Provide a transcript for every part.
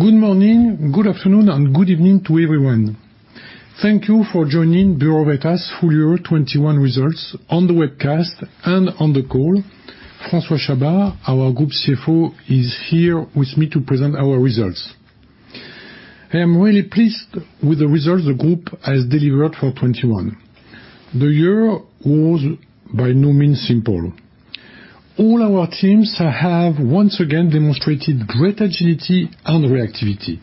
Good morning, good afternoon, and good evening to everyone. Thank you for joining Bureau Veritas full year 2021 results on the webcast and on the call. François Chabas, our Group CFO, is here with me to present our results. I am really pleased with the results the group has delivered for 2021. The year was by no means simple. All our teams have once again demonstrated great agility and reactivity.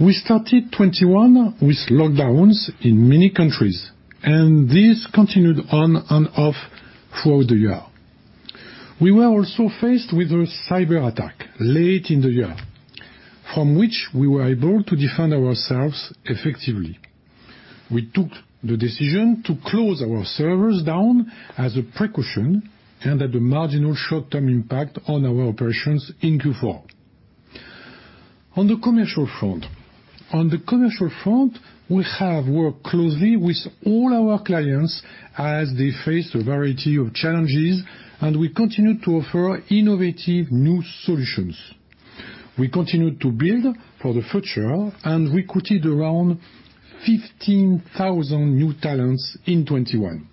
We started 2021 with lockdowns in many countries, and this continued on and off throughout the year. We were also faced with a cyberattack late in the year from which we were able to defend ourselves effectively. We took the decision to close our servers down as a precaution and at a marginal short-term impact on our operations in Q4. On the commercial front, we have worked closely with all our clients as they face a variety of challenges, and we continue to offer innovative new solutions. We continued to build for the future and recruited around 15,000 new talents in 2021.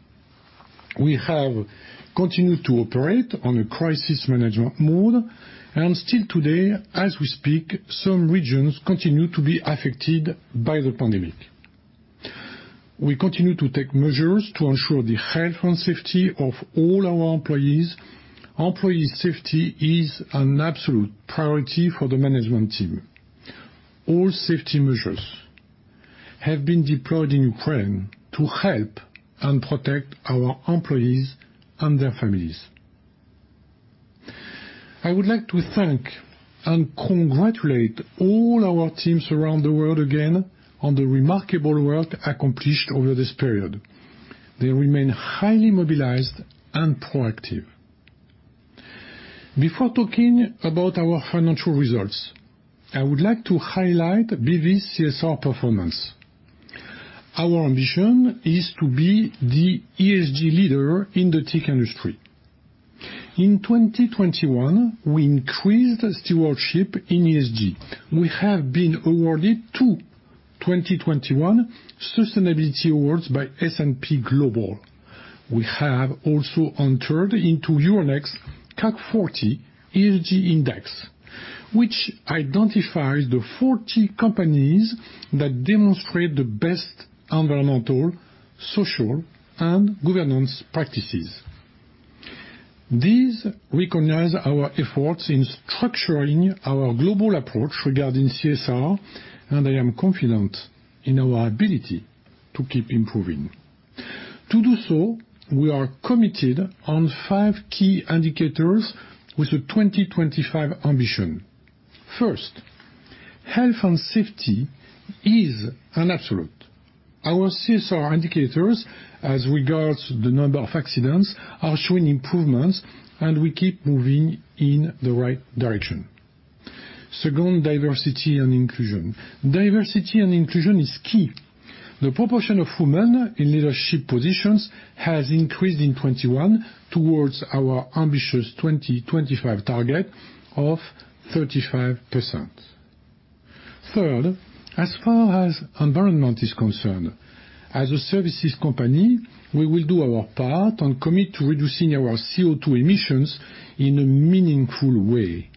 We have continued to operate on a crisis management mode. Still today, as we speak, some regions continue to be affected by the pandemic. We continue to take measures to ensure the health and safety of all our employees. Employee safety is an absolute priority for the management team. All safety measures have been deployed in Ukraine to help and protect our employees and their families. I would like to thank and congratulate all our teams around the world again on the remarkable work accomplished over this period. They remain highly mobilized and proactive. Before talking about our financial results, I would like to highlight BV's CSR performance. Our ambition is to be the ESG leader in the TIC industry. In 2021, we increased stewardship in ESG. We have been awarded two 2021 sustainability awards by S&P Global. We have also entered into Euronext CAC 40 ESG Index, which identifies the 40 companies that demonstrate the best environmental, social, and governance practices. These recognize our efforts in structuring our global approach regarding CSR, and I am confident in our ability to keep improving. To do so, we are committed on five key indicators with a 2025 ambition. First, health and safety is an absolute. Our CSR indicators as regards the number of accidents are showing improvements, and we keep moving in the right direction. Second, diversity and inclusion. Diversity and inclusion is key. The proportion of women in leadership positions has increased in 2021 towards our ambitious 2025 target of 35%. Third, as far as environment is concerned, as a services company, we will do our part and commit to reducing our CO2 emissions in a meaningful way.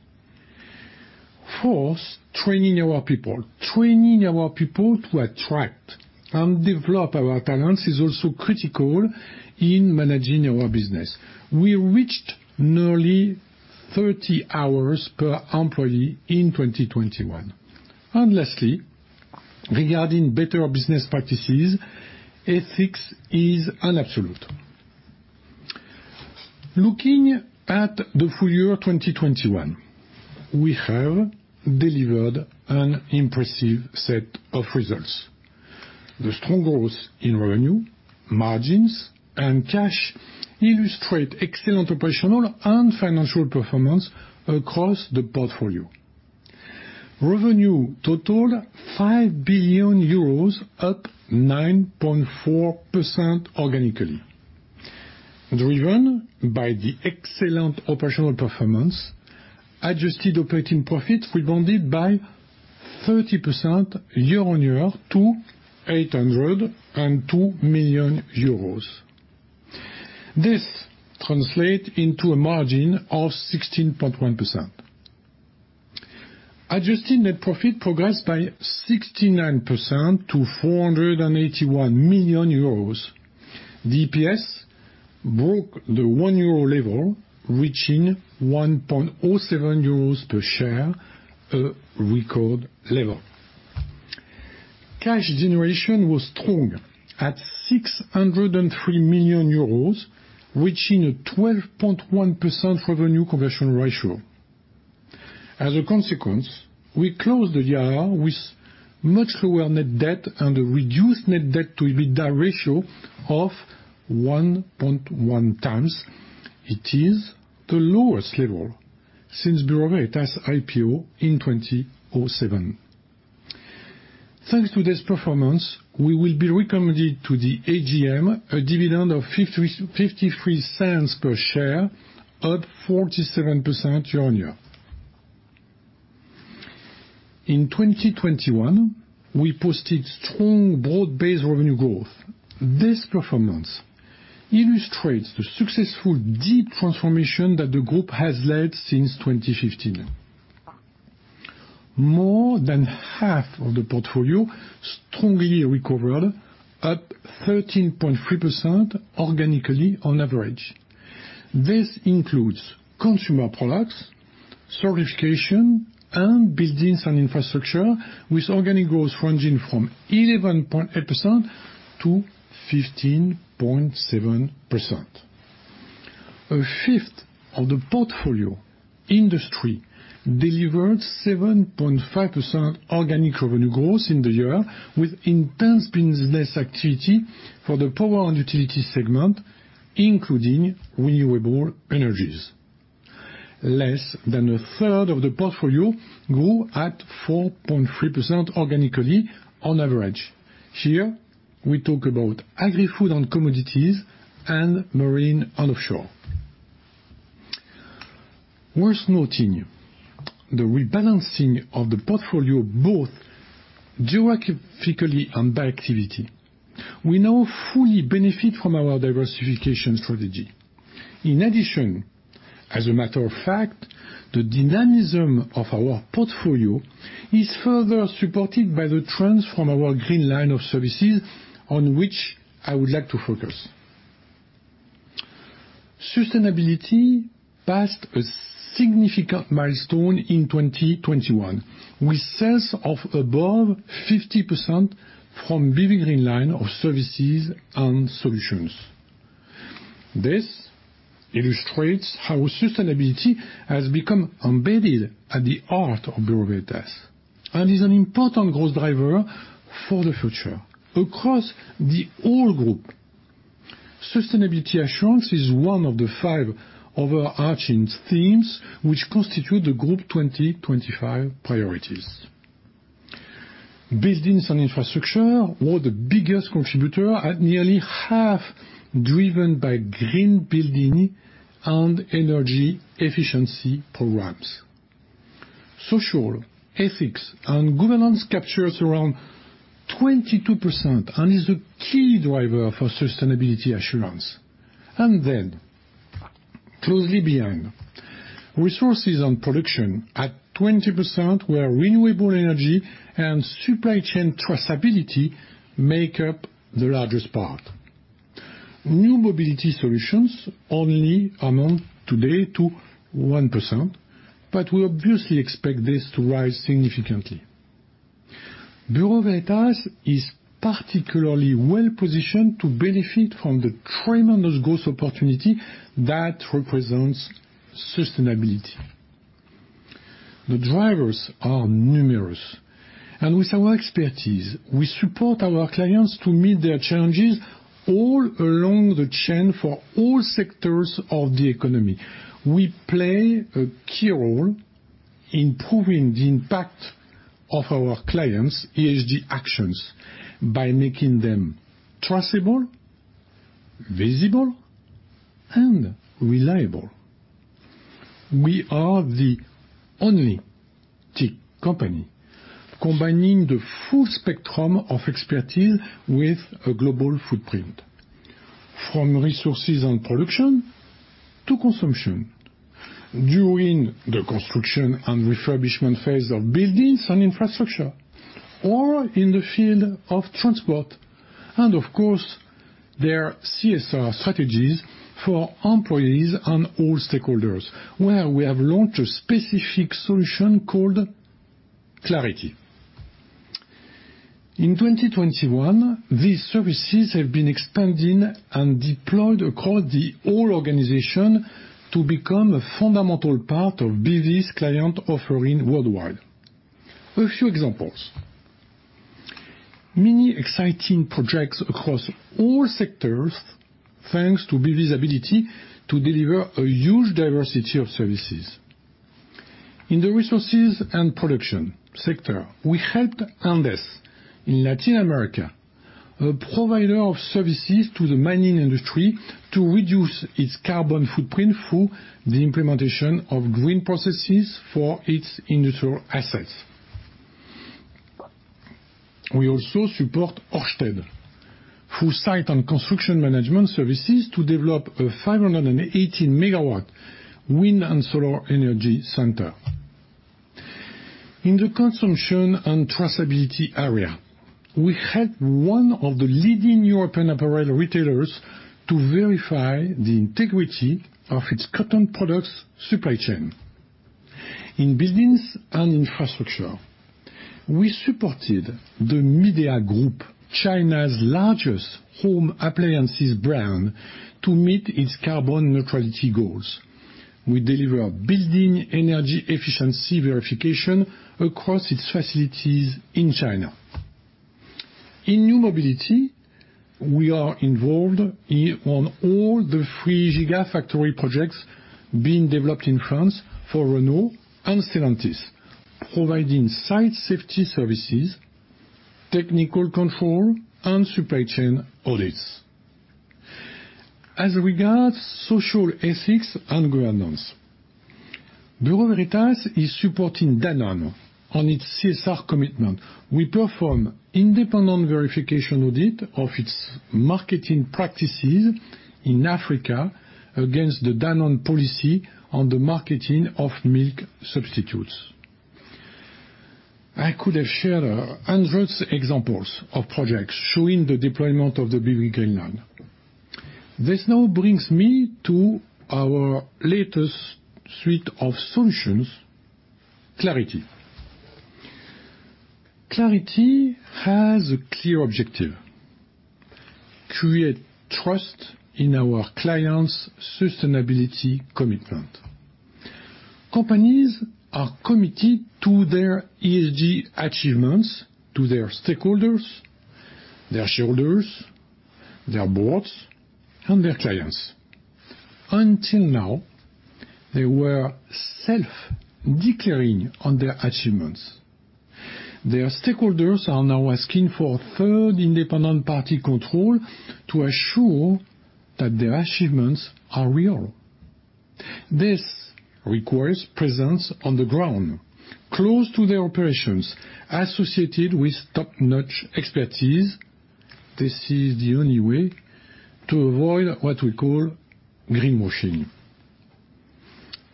Fourth, training our people to attract and develop our talents is also critical in managing our business. We reached nearly 30 hours per employee in 2021. Lastly, regarding better business practices, ethics is an absolute. Looking at the full year 2021, we have delivered an impressive set of results. The strong growth in revenue, margins, and cash illustrate excellent operational and financial performance across the portfolio. Revenue totaled 5 billion euros, up 9.4% organically. Driven by the excellent operational performance, adjusted operating profit rebounded by 30% year-on-year to EUR 802 million. This translate into a margin of 16.1%. Adjusted net profit progressed by 69% to 481 million euros. DPS broke the 1 euro level, reaching 1.07 euros per share, a record level. Cash generation was strong at 603 million euros, reaching a 12.1% revenue conversion ratio. As a consequence, we closed the year with much lower net debt and a reduced net debt to EBITDA ratio of 1.1x. It is the lowest level since Bureau Veritas IPO in 2007. Thanks to this performance, we will be recommending to the AGM a dividend of 0.53 EUR per share, up 47% year-on-year. In 2021, we posted strong broad-based revenue growth. This performance illustrates the successful deep transformation that the group has led since 2015. More than half of the portfolio strongly recovered, up 13.3% organically on average. This includes Consumer Products, Certification, and Buildings & Infrastructure with organic growth ranging from 11.8% to 15.7%. A fifth of the portfolio Industry delivered 7.5% organic revenue growth in the year with intense business activity for the Power & Utilities segment, including renewable energies. Less than a third of the portfolio grew at 4.3% organically on average. Here, we talk about Agri-Food & Commodities and Marine & Offshore. Worth noting, the rebalancing of the portfolio both geographically and by activity. We now fully benefit from our diversification strategy. In addition, as a matter of fact, the dynamism of our portfolio is further supported by the trends from our BV Green Line of services, on which I would like to focus. Sustainability passed a significant milestone in 2021, with sales of above 50% from BV Green Line of services and solutions. This illustrates how sustainability has become embedded at the heart of Bureau Veritas and is an important growth driver for the future. Across the whole group, sustainability assurance is one of the five overarching themes which constitute the Group 2025 priorities. Buildings & Infrastructure were the biggest contributor at nearly half, driven by green building and energy efficiency programs. Social ethics and governance captures around 22% and is a key driver for sustainability assurance. Then closely behind, resources and production at 20% where renewable energy and supply chain traceability make up the largest part. New mobility solutions only amount today to 1%, but we obviously expect this to rise significantly. Bureau Veritas is particularly well-positioned to benefit from the tremendous growth opportunity that represents sustainability. The drivers are numerous, and with our expertise, we support our clients to meet their challenges all along the chain for all sectors of the economy. We play a key role in proving the impact of our clients' ESG actions by making them traceable, visible, and reliable. We are the only TIC company combining the full spectrum of expertise with a global footprint from resources and production to consumption during the construction and refurbishment phase of buildings and infrastructure, or in the field of transport. Of course, their CSR strategies for employees and all stakeholders, where we have launched a specific solution called Clarity. In 2021, these services have been expanded and deployed across the whole organization to become a fundamental part of BV's client offering worldwide. A few examples. Many exciting projects across all sectors, thanks to BV's ability to deliver a huge diversity of services. In the resources and production sector, we helped Anddes in Latin America, a provider of services to the mining industry, to reduce its carbon footprint through the implementation of green processes for its industrial assets. We also support Ørsted through site and construction management services to develop a 518 MW wind and solar energy center. In the consumption and traceability area, we helped one of the leading European apparel retailers to verify the integrity of its cotton products supply chain. In Buildings and Infrastructure, we supported the Midea Group, China's largest home appliances brand, to meet its carbon neutrality goals. We deliver building energy efficiency verification across its facilities in China. In new mobility, we are involved in, on all the three gigafactory projects being developed in France for Renault and Stellantis, providing site safety services, technical control, and supply chain audits. As regards social ethics and governance, Bureau Veritas is supporting Danone on its CSR commitment. We perform independent verification audit of its marketing practices in Africa against the Danone policy on the marketing of milk substitutes. I could have shared hundreds examples of projects showing the deployment of the BV Green Line. This now brings me to our latest suite of solutions, Clarity. Clarity has a clear objective, create trust in our clients' sustainability commitment. Companies are committed to their ESG achievements, to their stakeholders, their shareholders, their boards, and their clients. Until now, they were self-declaring on their achievements. Their stakeholders are now asking for third independent party control to assure that their achievements are real. This requires presence on the ground, close to their operations, associated with top-notch expertise. This is the only way to avoid what we call greenwashing.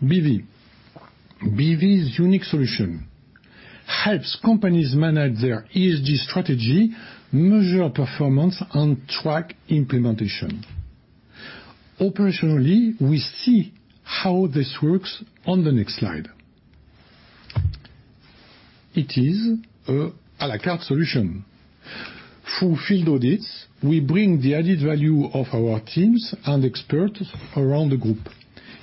BV's unique solution helps companies manage their ESG strategy, measure performance, and track implementation. Operationally, we see how this works on the next slide. It is an à la carte solution. Through field audits, we bring the added value of our teams and experts around the group.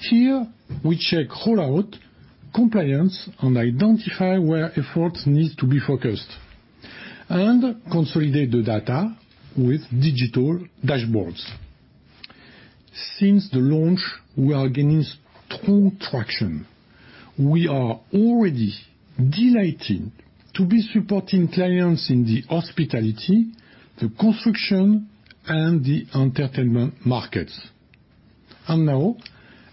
Here, we check roll-out compliance, and identify where efforts need to be focused, and consolidate the data with digital dashboards. Since the launch, we are gaining strong traction. We are already delighted to be supporting clients in the hospitality, the construction, and the entertainment markets. Now,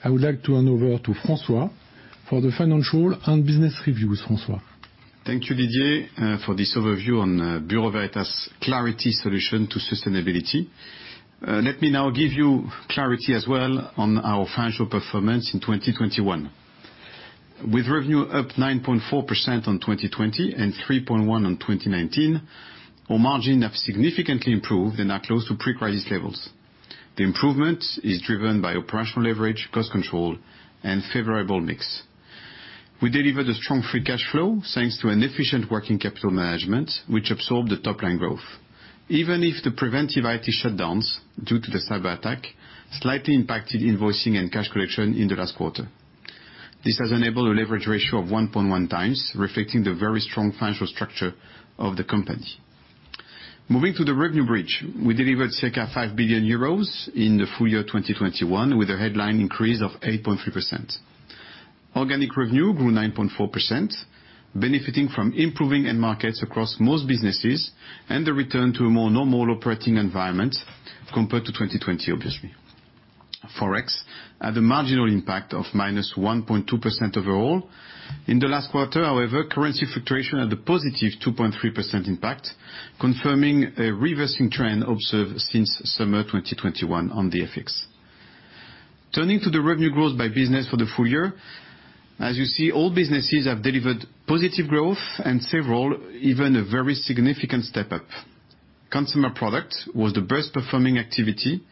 I would like to hand over to François for the financial and business review. François? Thank you, Didier, for this overview on Bureau Veritas' Clarity solution to sustainability. Let me now give you clarity as well on our financial performance in 2021. With revenue up 9.4% on 2020 and 3.1% on 2019, our margin have significantly improved and are close to pre-crisis levels. The improvement is driven by operational leverage, cost control, and favorable mix. We delivered a strong free cash flow, thanks to an efficient working capital management, which absorbed the top-line growth, even if the preventive IT shutdowns due to the cyberattack slightly impacted invoicing and cash collection in the last quarter. This has enabled a leverage ratio of 1.1x, reflecting the very strong financial structure of the company. Moving to the revenue bridge, we delivered circa 5 billion euros in the full year 2021, with a headline increase of 8.3%. Organic revenue grew 9.4%, benefiting from improving end markets across most businesses, and the return to a more normal operating environment compared to 2020, obviously. Forex had a marginal impact of -1.2% overall. In the last quarter, however, currency fluctuation had a positive 2.3% impact, confirming a reversing trend observed since summer 2021 on the FX. Turning to the revenue growth by business for the full year, as you see, all businesses have delivered positive growth, and several, even a very significant step up. Consumer Products was the best performing activity,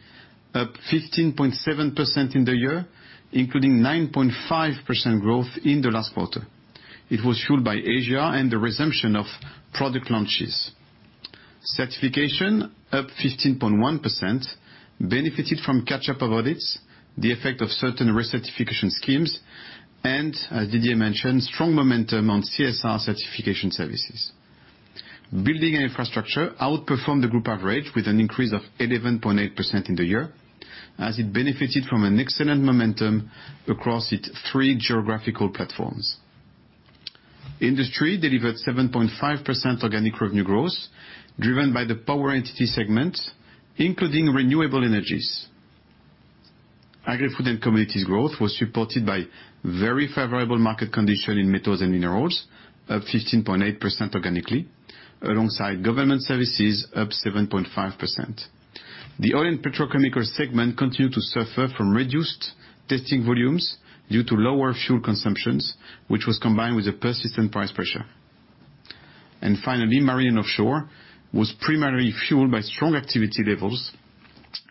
up 15.7% in the year, including 9.5% growth in the last quarter. It was fueled by Asia and the resumption of product launches. Certification, up 15.1%, benefited from catch-up of audits, the effect of certain recertification schemes, and, as Didier mentioned, strong momentum on CSR certification services. Buildings & Infrastructure outperformed the group average, with an increase of 11.8% in the year, as it benefited from an excellent momentum across its three geographical platforms. Industry delivered 7.5% organic revenue growth, driven by the Power & Utilities segment, including renewable energies. Agri-Food & Commodities growth was supported by very favorable market condition in metals and minerals, up 15.8% organically, alongside government services up 7.5%. The oil and petrochemicals segment continued to suffer from reduced testing volumes due to lower fuel consumptions, which was combined with a persistent price pressure. Finally, Marine & Offshore was primarily fueled by strong activity levels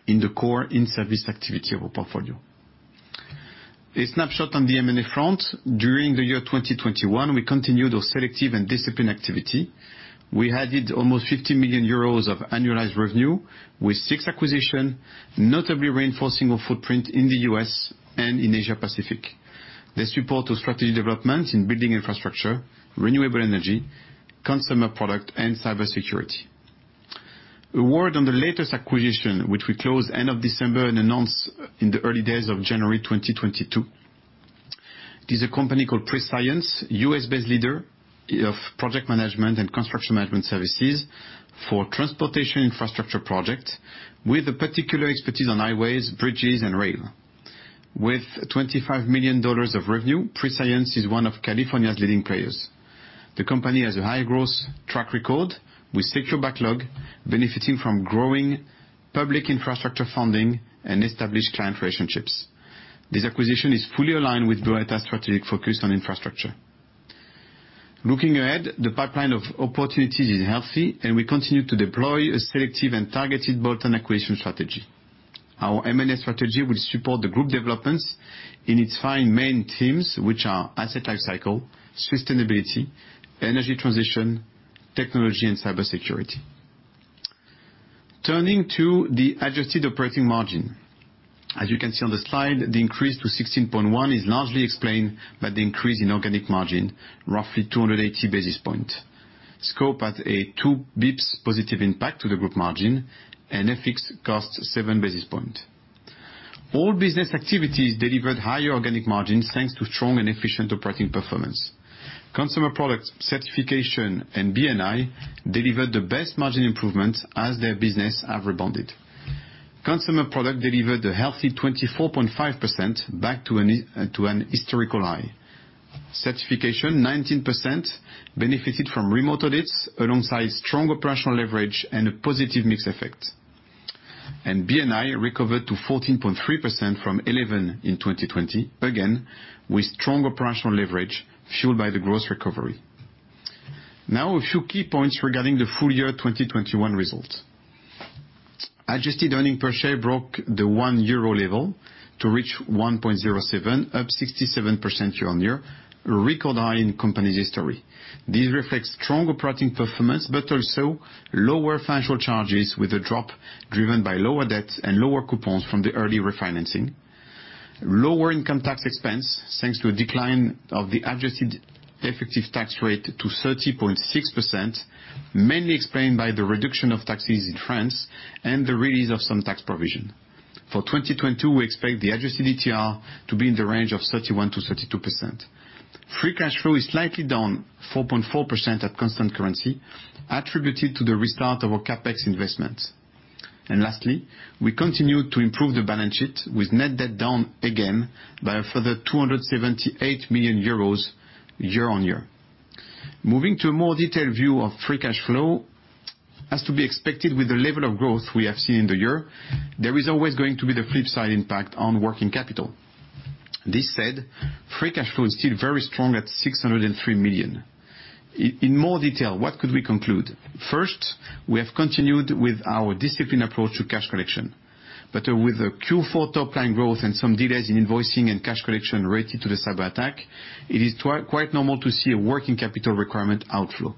in the core in-service activity of our portfolio. A snapshot on the M&A front. During the year 2021, we continued our selective and disciplined activity. We added almost 50 million euros of annualized revenue with six acquisitions, notably reinforcing our footprint in the U.S. and in Asia Pacific. This supports our strategy development in Buildings & Infrastructure, renewable energy, Consumer Products, and cybersecurity. A word on the latest acquisition, which we closed end of December and announced in the early days of January 2022. It is a company called PreScience, U.S.-based leader of project management and construction management services for transportation infrastructure projects, with a particular expertise on highways, bridges, and rail. With $25 million of revenue, PreScience is one of California's leading players. The company has a high growth track record with secular backlog benefiting from growing public infrastructure funding and established client relationships. This acquisition is fully aligned with Bureau Veritas's strategic focus on infrastructure. Looking ahead, the pipeline of opportunities is healthy, and we continue to deploy a selective and targeted bolt-on acquisition strategy. Our M&A strategy will support the group developments in its five main themes, which are asset life cycle, sustainability, energy transition, technology, and cybersecurity. Turning to the adjusted operating margin. As you can see on the slide, the increase to 16.1% is largely explained by the increase in organic margin, roughly 280 basis points. Scope has a 2 basis points positive impact to the group margin and a fixed cost 7 basis points. All business activities delivered higher organic margins, thanks to strong and efficient operating performance. Consumer Products, Certification, and BNI delivered the best margin improvements as their businesses have rebounded. Consumer Products delivered a healthy 24.5% back to an historical high. Certification 19% benefited from remote audits alongside strong operational leverage and a positive mix effect. BNI recovered to 14.3% from 11% in 2020, again, with strong operational leverage fueled by the growth recovery. Now, a few key points regarding the full-year 2021 results. Adjusted earnings per share broke the 1 euro level to reach 1.07, up 67% year-on-year, a record high in company's history. This reflects strong operating performance, but also lower financial charges with a drop driven by lower debt and lower coupons from the early refinancing. Lower income tax expense, thanks to a decline of the adjusted effective tax rate to 30.6%, mainly explained by the reduction of taxes in France and the release of some tax provision. For 2022, we expect the adjusted ETR to be in the range of 31%-32%. Free cash flow is slightly down 4.4% at constant currency, attributed to the restart of our CapEx investments. Lastly, we continue to improve the balance sheet with net debt down again by a further 278 million euros year-on-year. Moving to a more detailed view of free cash flow, as to be expected with the level of growth we have seen in the year, there is always going to be the flip side impact on working capital. That said, free cash flow is still very strong at 603 million. In more detail, what could we conclude? First, we have continued with our disciplined approach to cash collection. With the Q4 top line growth and some delays in invoicing and cash collection related to the cyberattack, it is quite normal to see a working capital requirement outflow.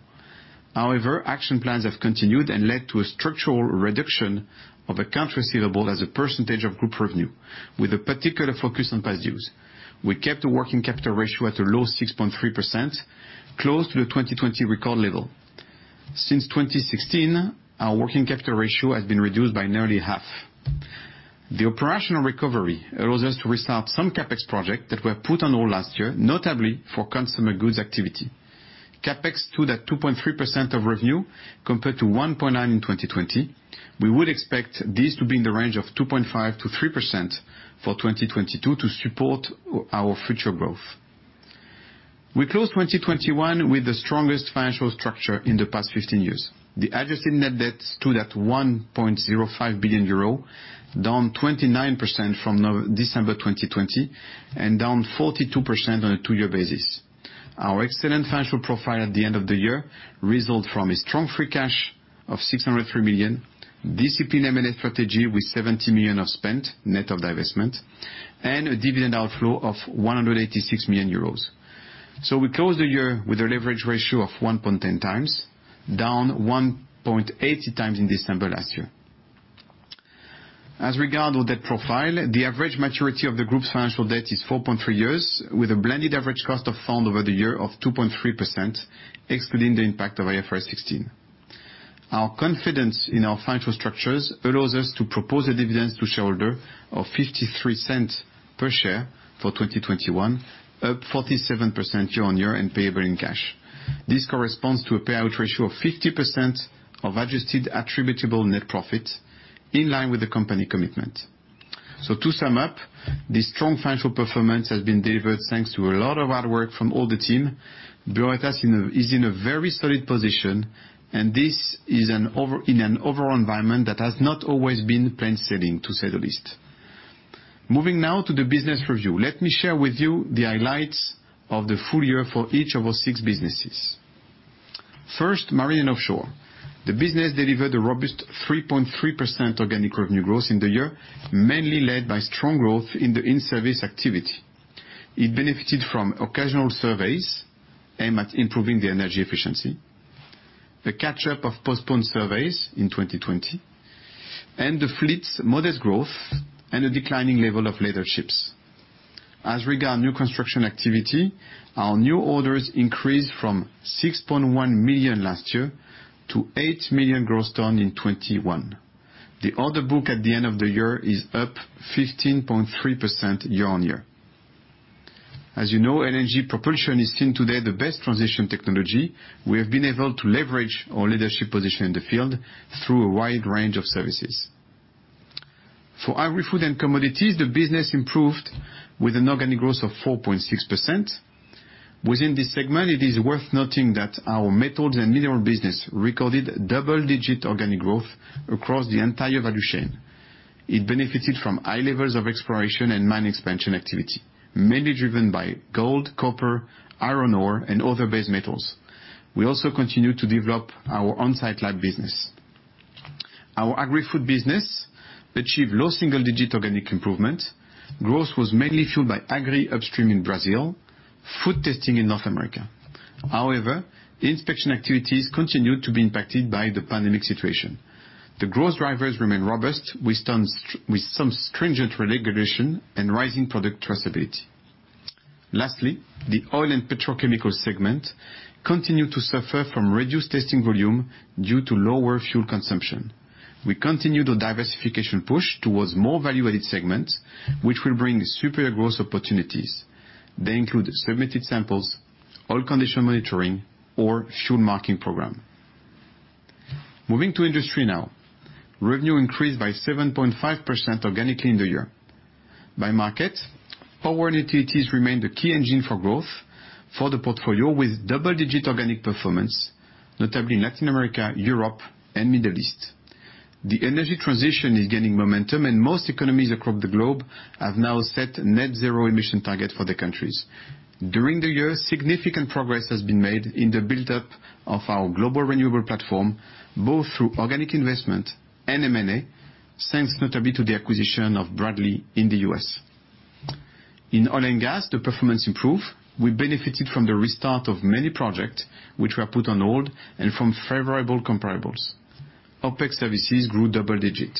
However, action plans have continued and led to a structural reduction of accounts receivable as a percentage of group revenue, with a particular focus on past dues. We kept the working capital ratio at a low 6.3%, close to the 2020 record level. Since 2016, our working capital ratio has been reduced by nearly half. The operational recovery allows us to restart some CapEx projects that were put on hold last year, notably for consumer goods activity. CapEx stood at 2.3% of revenue compared to 1.9% in 2020. We would expect this to be in the range of 2.5%-3% for 2022 to support our future growth. We closed 2021 with the strongest financial structure in the past 15 years. The adjusted net debt stood at 1.05 billion euro, down 29% from December 2020, and down 42% on a two-year basis. Our excellent financial profile at the end of the year result from a strong free cash of 603 million, disciplined M&A strategy with 70 million of spend, net of divestment, and a dividend outflow of 186 million euros. We close the year with a leverage ratio of 1.10x, down 1.8x in December last year. As regards our debt profile, the average maturity of the group's financial debt is 4.3 years, with a blended average cost of funds over the year of 2.3%, excluding the impact of IFRS 16. Our confidence in our financial structures allows us to propose a dividend to shareholders of 0.53 per share for 2021, up 47% year-on-year and payable in cash. This corresponds to a payout ratio of 50% of adjusted attributable net profit, in line with the Company commitment. To sum up, this strong financial performance has been delivered thanks to a lot of hard work from all the team. Bureau Veritas is in a very solid position, and this is in an overall environment that has not always been plain sailing, to say the least. Moving now to the business review. Let me share with you the highlights of the full year for each of our six businesses. First, Marine & Offshore. The business delivered a robust 3.3% organic revenue growth in the year, mainly led by strong growth in the in-service activity. It benefited from occasional surveys aimed at improving the energy efficiency, the catch-up of postponed surveys in 2020 and the fleet's modest growth and a declining level of lay-ups. As regards new construction activity, our new orders increased from 6.1 million last year to 8 million gross tons in 2021. The order book at the end of the year is up 15.3% year-on-year. As you know, LNG propulsion is seen as the best transition technology today. We have been able to leverage our leadership position in the field through a wide range of services. For Agri-Food & Commodities, the business improved with an organic growth of 4.6%. Within this segment, it is worth noting that our metals and minerals business recorded double-digit organic growth across the entire value chain. It benefited from high levels of exploration and mine expansion activity, mainly driven by gold, copper, iron ore, and other base metals. We also continue to develop our onsite lab business. Our Agri-Food business achieved low single-digit organic improvement. Growth was mainly fueled by agri upstream in Brazil, food testing in North America. However, the inspection activities continued to be impacted by the pandemic situation. The growth drivers remain robust with some stringent regulation and rising product traceability. Lastly, the oil and petrochemical segment continued to suffer from reduced testing volume due to lower fuel consumption. We continued a diversification push towards more value-added segments, which will bring superior growth opportunities. They include submitted samples, oil condition monitoring or fuel marking program. Moving to Industry now. Revenue increased by 7.5% organically in the year. By market, Power & Utilities remained a key engine for growth for the portfolio with double-digit organic performance, notably Latin America, Europe, and Middle East. The energy transition is gaining momentum, and most economies across the globe have now set net zero emission target for their countries. During the year, significant progress has been made in the buildup of our global renewable platform, both through organic investment and M&A, thanks notably to the acquisition of Bradley in the U.S. In oil and gas, the performance improved. We benefited from the restart of many projects which were put on hold and from favorable comparables. OpEx services grew double-digit.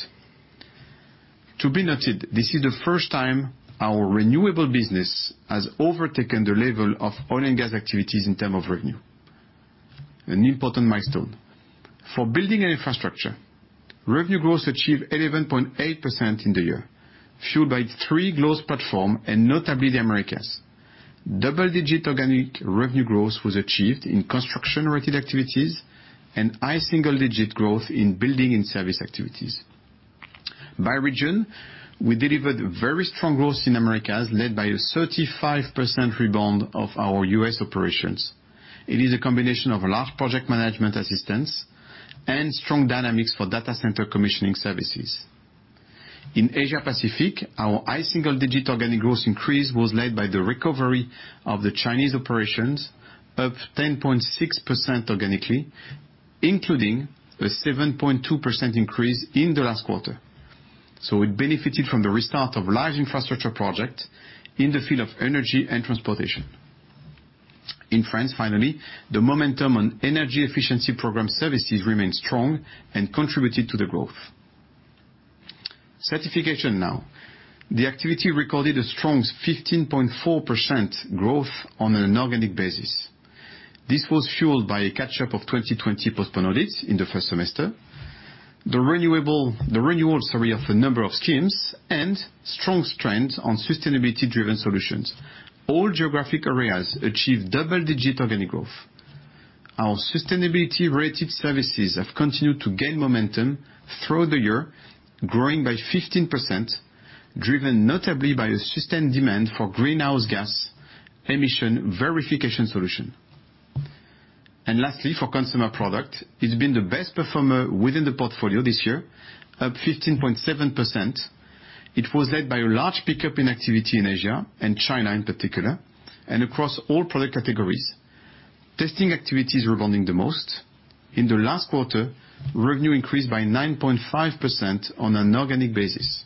To be noted, this is the first time our renewable business has overtaken the level of oil and gas activities in terms of revenue. An important milestone. For Buildings & Infrastructure, revenue growth achieved 11.8% in the year, fueled by three growth platforms and notably the Americas. Double-digit organic revenue growth was achieved in construction-related activities and high single-digit growth in building and service activities. By region, we delivered very strong growth in Americas, led by a 35% rebound of our U.S. operations. It is a combination of large project management assistance and strong dynamics for data center commissioning services. In Asia Pacific, our high single-digit organic growth increase was led by the recovery of the Chinese operations, up 10.6% organically, including a 7.2% increase in the last quarter. It benefited from the restart of large infrastructure projects in the field of energy and transportation. In France, finally, the momentum on energy efficiency program services remained strong and contributed to the growth. Certification now. The activity recorded a strong 15.4% growth on an organic basis. This was fueled by a catch-up of 2020 postponed audits in the first semester, the renewal of a number of schemes and strong trends on sustainability-driven solutions. All geographic areas achieved double-digit organic growth. Our sustainability-related services have continued to gain momentum through the year, growing by 15%, driven notably by a sustained demand for greenhouse gas emission verification solution. Lastly, for Consumer Products, it's been the best performer within the portfolio this year, up 15.7%. It was led by a large pickup in activity in Asia and China in particular, and across all product categories. Testing activities rebounding the most. In the last quarter, revenue increased by 9.5% on an organic basis.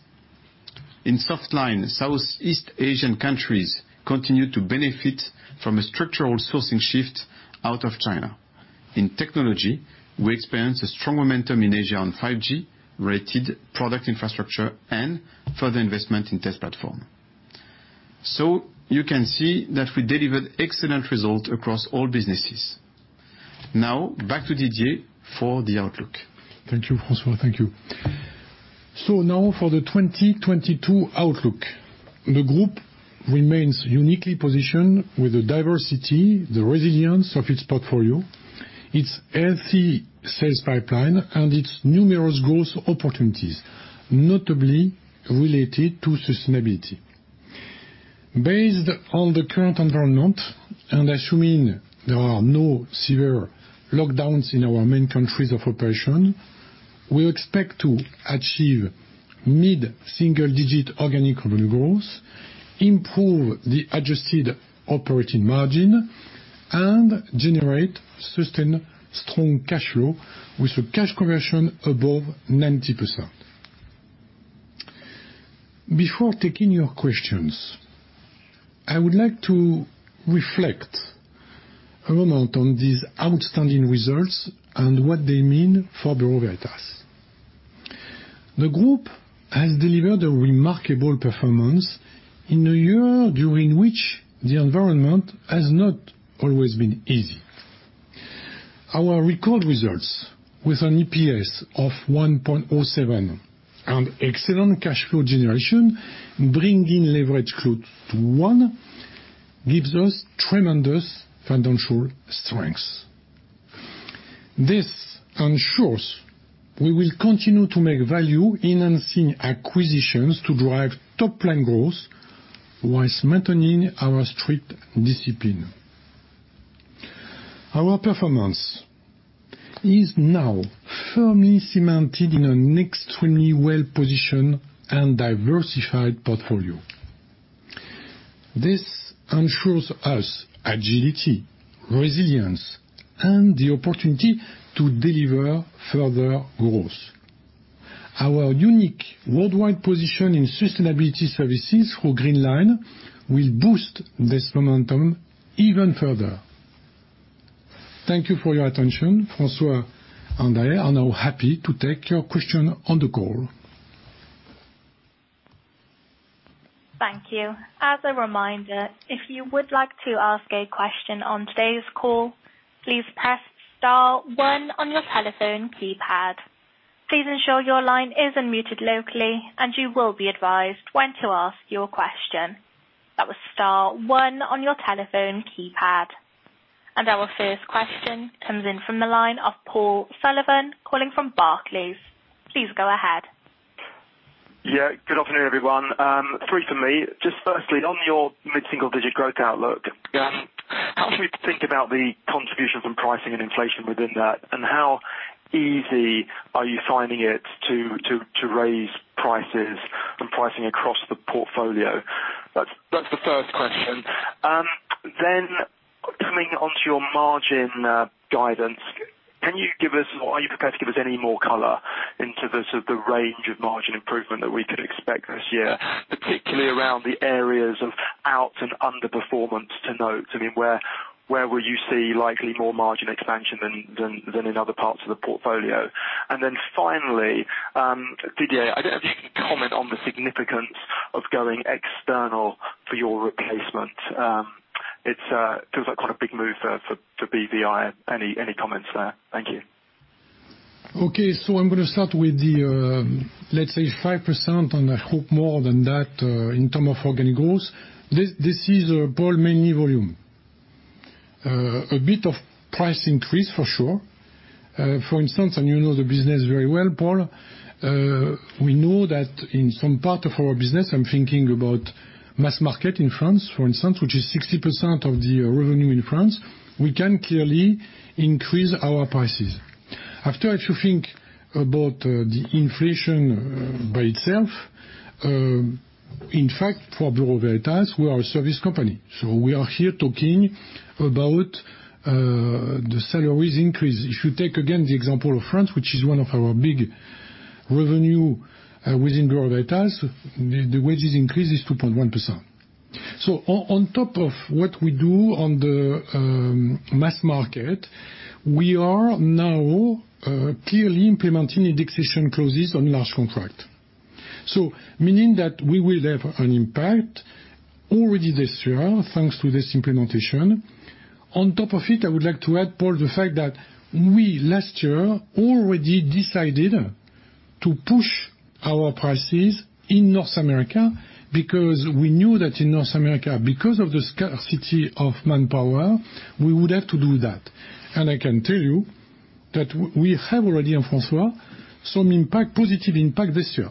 In softline, Southeast Asian countries continued to benefit from a structural sourcing shift out of China. In technology, we experienced a strong momentum in Asia on 5G-related product infrastructure and further investment in test platform. You can see that we delivered excellent results across all businesses. Now back to Didier for the outlook. Thank you, François. Thank you. Now for the 2022 outlook. The group remains uniquely positioned with the diversity, the resilience of its portfolio, its healthy sales pipeline, and its numerous growth opportunities, notably related to sustainability. Based on the current environment, and assuming there are no severe lockdowns in our main countries of operation, we expect to achieve mid-single-digit organic revenue growth, improve the adjusted operating margin, and generate sustained strong cash flow with a cash conversion above 90%. Before taking your questions, I would like to reflect a moment on these outstanding results and what they mean for Bureau Veritas. The group has delivered a remarkable performance in a year during which the environment has not always been easy. Our record results with an EPS of 1.07 and excellent cash flow generation, bringing leverage close to 1x, gives us tremendous financial strength. This ensures we will continue to make value-enhancing acquisitions to drive top-line growth while maintaining our strict discipline. Our performance is now firmly cemented in an extremely well-positioned and diversified portfolio. This ensures us agility, resilience, and the opportunity to deliver further growth. Our unique worldwide position in sustainability services for Green Line will boost this momentum even further. Thank you for your attention. François and I are now happy to take your question on the call. Thank you. As a reminder, if you would like to ask a question on today's call, please press star one on your telephone keypad. Please ensure your line is unmuted locally, and you will be advised when to ask your question. That was star one on your telephone keypad. Our first question comes in from the line of Paul Sullivan calling from Barclays. Please go ahead. Yeah. Good afternoon, everyone. Three from me. Just firstly, on your mid-single digit growth outlook. Yeah. How can we think about the contribution from pricing and inflation within that? How easy are you finding it to raise prices and pricing across the portfolio? That's the first question. Then coming onto your margin guidance, can you give us, or are you prepared to give us any more color into the sort of the range of margin improvement that we could expect this year, particularly around the areas of outperformance and underperformance to note? I mean, where will you see likely more margin expansion than in other parts of the portfolio? Then finally, Didier, I don't know if you can comment on the significance of going external for your replacement. It feels like quite a big move for BVI. Any comments there? Thank you. Okay. I'm gonna start with the, let's say 5%, and I hope more than that, in terms of organic growth. This is, Paul, mainly volume. A bit of price increase for sure. For instance, and you know the business very well, Paul, we know that in some part of our business, I'm thinking about mass market in France, for instance, which is 60% of the revenue in France, we can clearly increase our prices. After if you think about the inflation by itself, in fact, for Bureau Veritas, we are a service company, so we are here talking about the salaries increase. If you take again the example of France, which is one of our big revenue within Bureau Veritas, the wages increase is 2.1%. On top of what we do on the mass market, we are now clearly implementing indexation clauses on large contract. Meaning that we will have an impact already this year, thanks to this implementation. On top of it, I would like to add, Paul, the fact that we, last year, already decided to push our prices in North America because we knew that in North America, because of the scarcity of manpower, we would have to do that. I can tell you that we have already, and François, some impact, positive impact this year,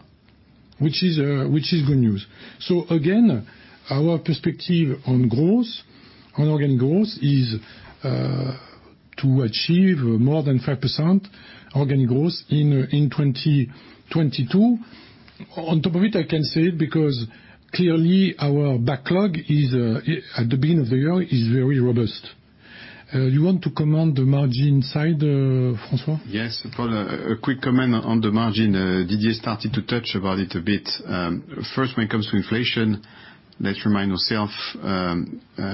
which is good news. Again, our perspective on growth, on organic growth is to achieve more than 5% organic growth in 2022. On top of it, I can say it because clearly our backlog at the beginning of the year is very robust. You want to comment on the margin side, François? Yes. Paul, a quick comment on the margin. Didier started to touch on it a bit. First, when it comes to inflation, let's remind ourselves,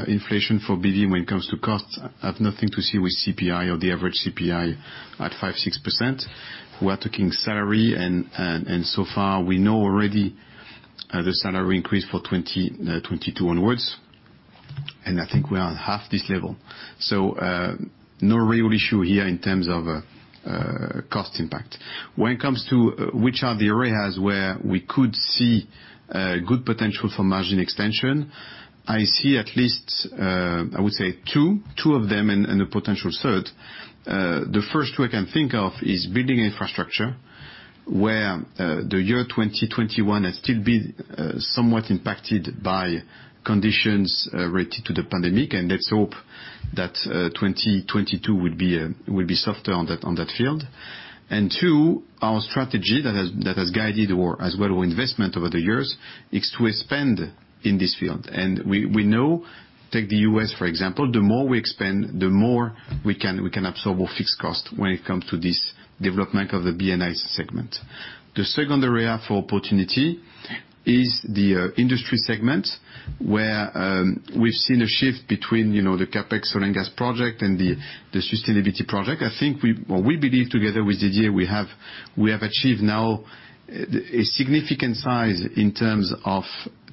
inflation for BV, when it comes to costs, has nothing to do with CPI or the average CPI at 5%-6%. We are taking salaries and so far, we know already, the salary increase for 2022 onwards, and I think we are half this level. No real issue here in terms of cost impact. When it comes to which are the areas where we could see good potential for margin extension, I see at least, I would say two of them and a potential third. The first two I can think of is Buildings & Infrastructure, where the year 2021 has still been somewhat impacted by conditions related to the pandemic. Let's hope that 2022 would be softer on that field. Two, our strategy that has guided our investment over the years is to expand in this field. We know, take the U.S. for example, the more we expand, the more we can absorb our fixed cost when it comes to this development of the BNI segment. The second area for opportunity is the Industry segment, where we've seen a shift between, you know, the CapEx oil and gas project and the sustainability project. I think we believe together with Didier, we have achieved now a significant size in terms of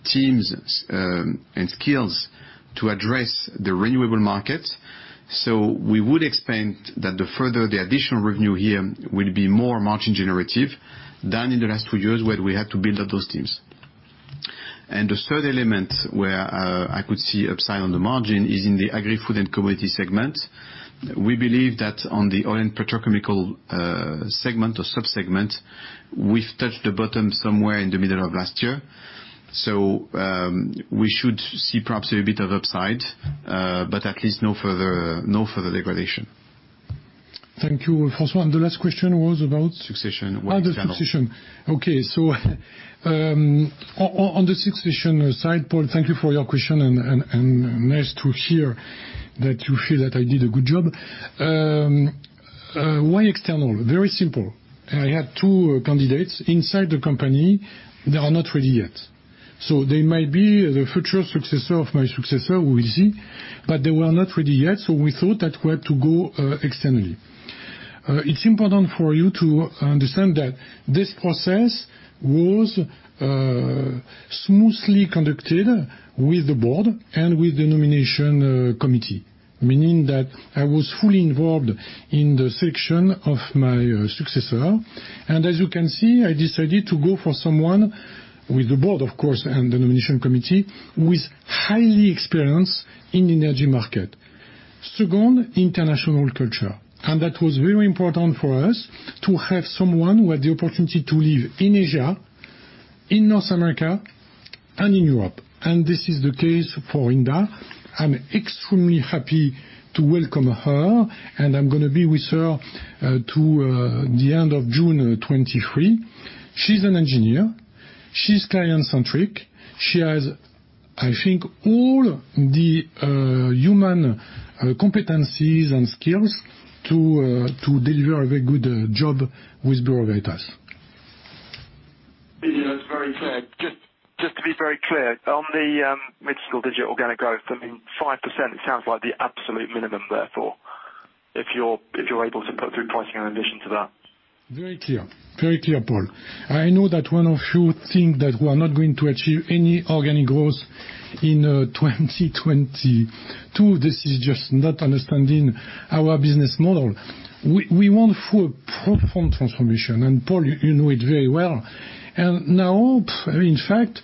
teams and skills to address the renewable market. We would expect that the further the additional revenue here will be more margin generative than in the last two years, where we had to build up those teams. The third element where I could see upside on the margin is in the Agri-Food & Commodities segment. We believe that on the oil and petrochemical segment or sub-segment, we've touched the bottom somewhere in the middle of last year. We should see perhaps a bit of upside, but at least no further degradation. Thank you, François. The last question was about? Succession. The succession. On the succession side, Paul, thank you for your question and nice to hear that you feel that I did a good job. Why external? Very simple. I had two candidates inside the company. They are not ready yet. They might be the future successor of my successor, we will see, but they were not ready yet, so we thought that we had to go externally. It's important for you to understand that this process was smoothly conducted with the board and with the nomination committee, meaning that I was fully involved in the selection of my successor. As you can see, I decided to go for someone with the board, of course, and the nomination committee, with highly experienced in energy market. Second, international culture, and that was very important for us to have someone who had the opportunity to live in Asia, in North America, and in Europe. This is the case for Hinda. I'm extremely happy to welcome her, and I'm gonna be with her to the end of June 2023. She's an engineer, she's client-centric. She has, I think, all the human competencies and skills to deliver a very good job with Bureau Veritas. Didier, that's very clear. Just to be very clear, on the mid-single digit organic growth, I mean, 5% sounds like the absolute minimum, therefore, if you're able to put through pricing in addition to that. Very clear. Very clear, Paul. I know that one of you think that we are not going to achieve any organic growth in 2022. This is just not understanding our business model. We want full-performed transformation, and Paul, you know it very well. Now, in fact,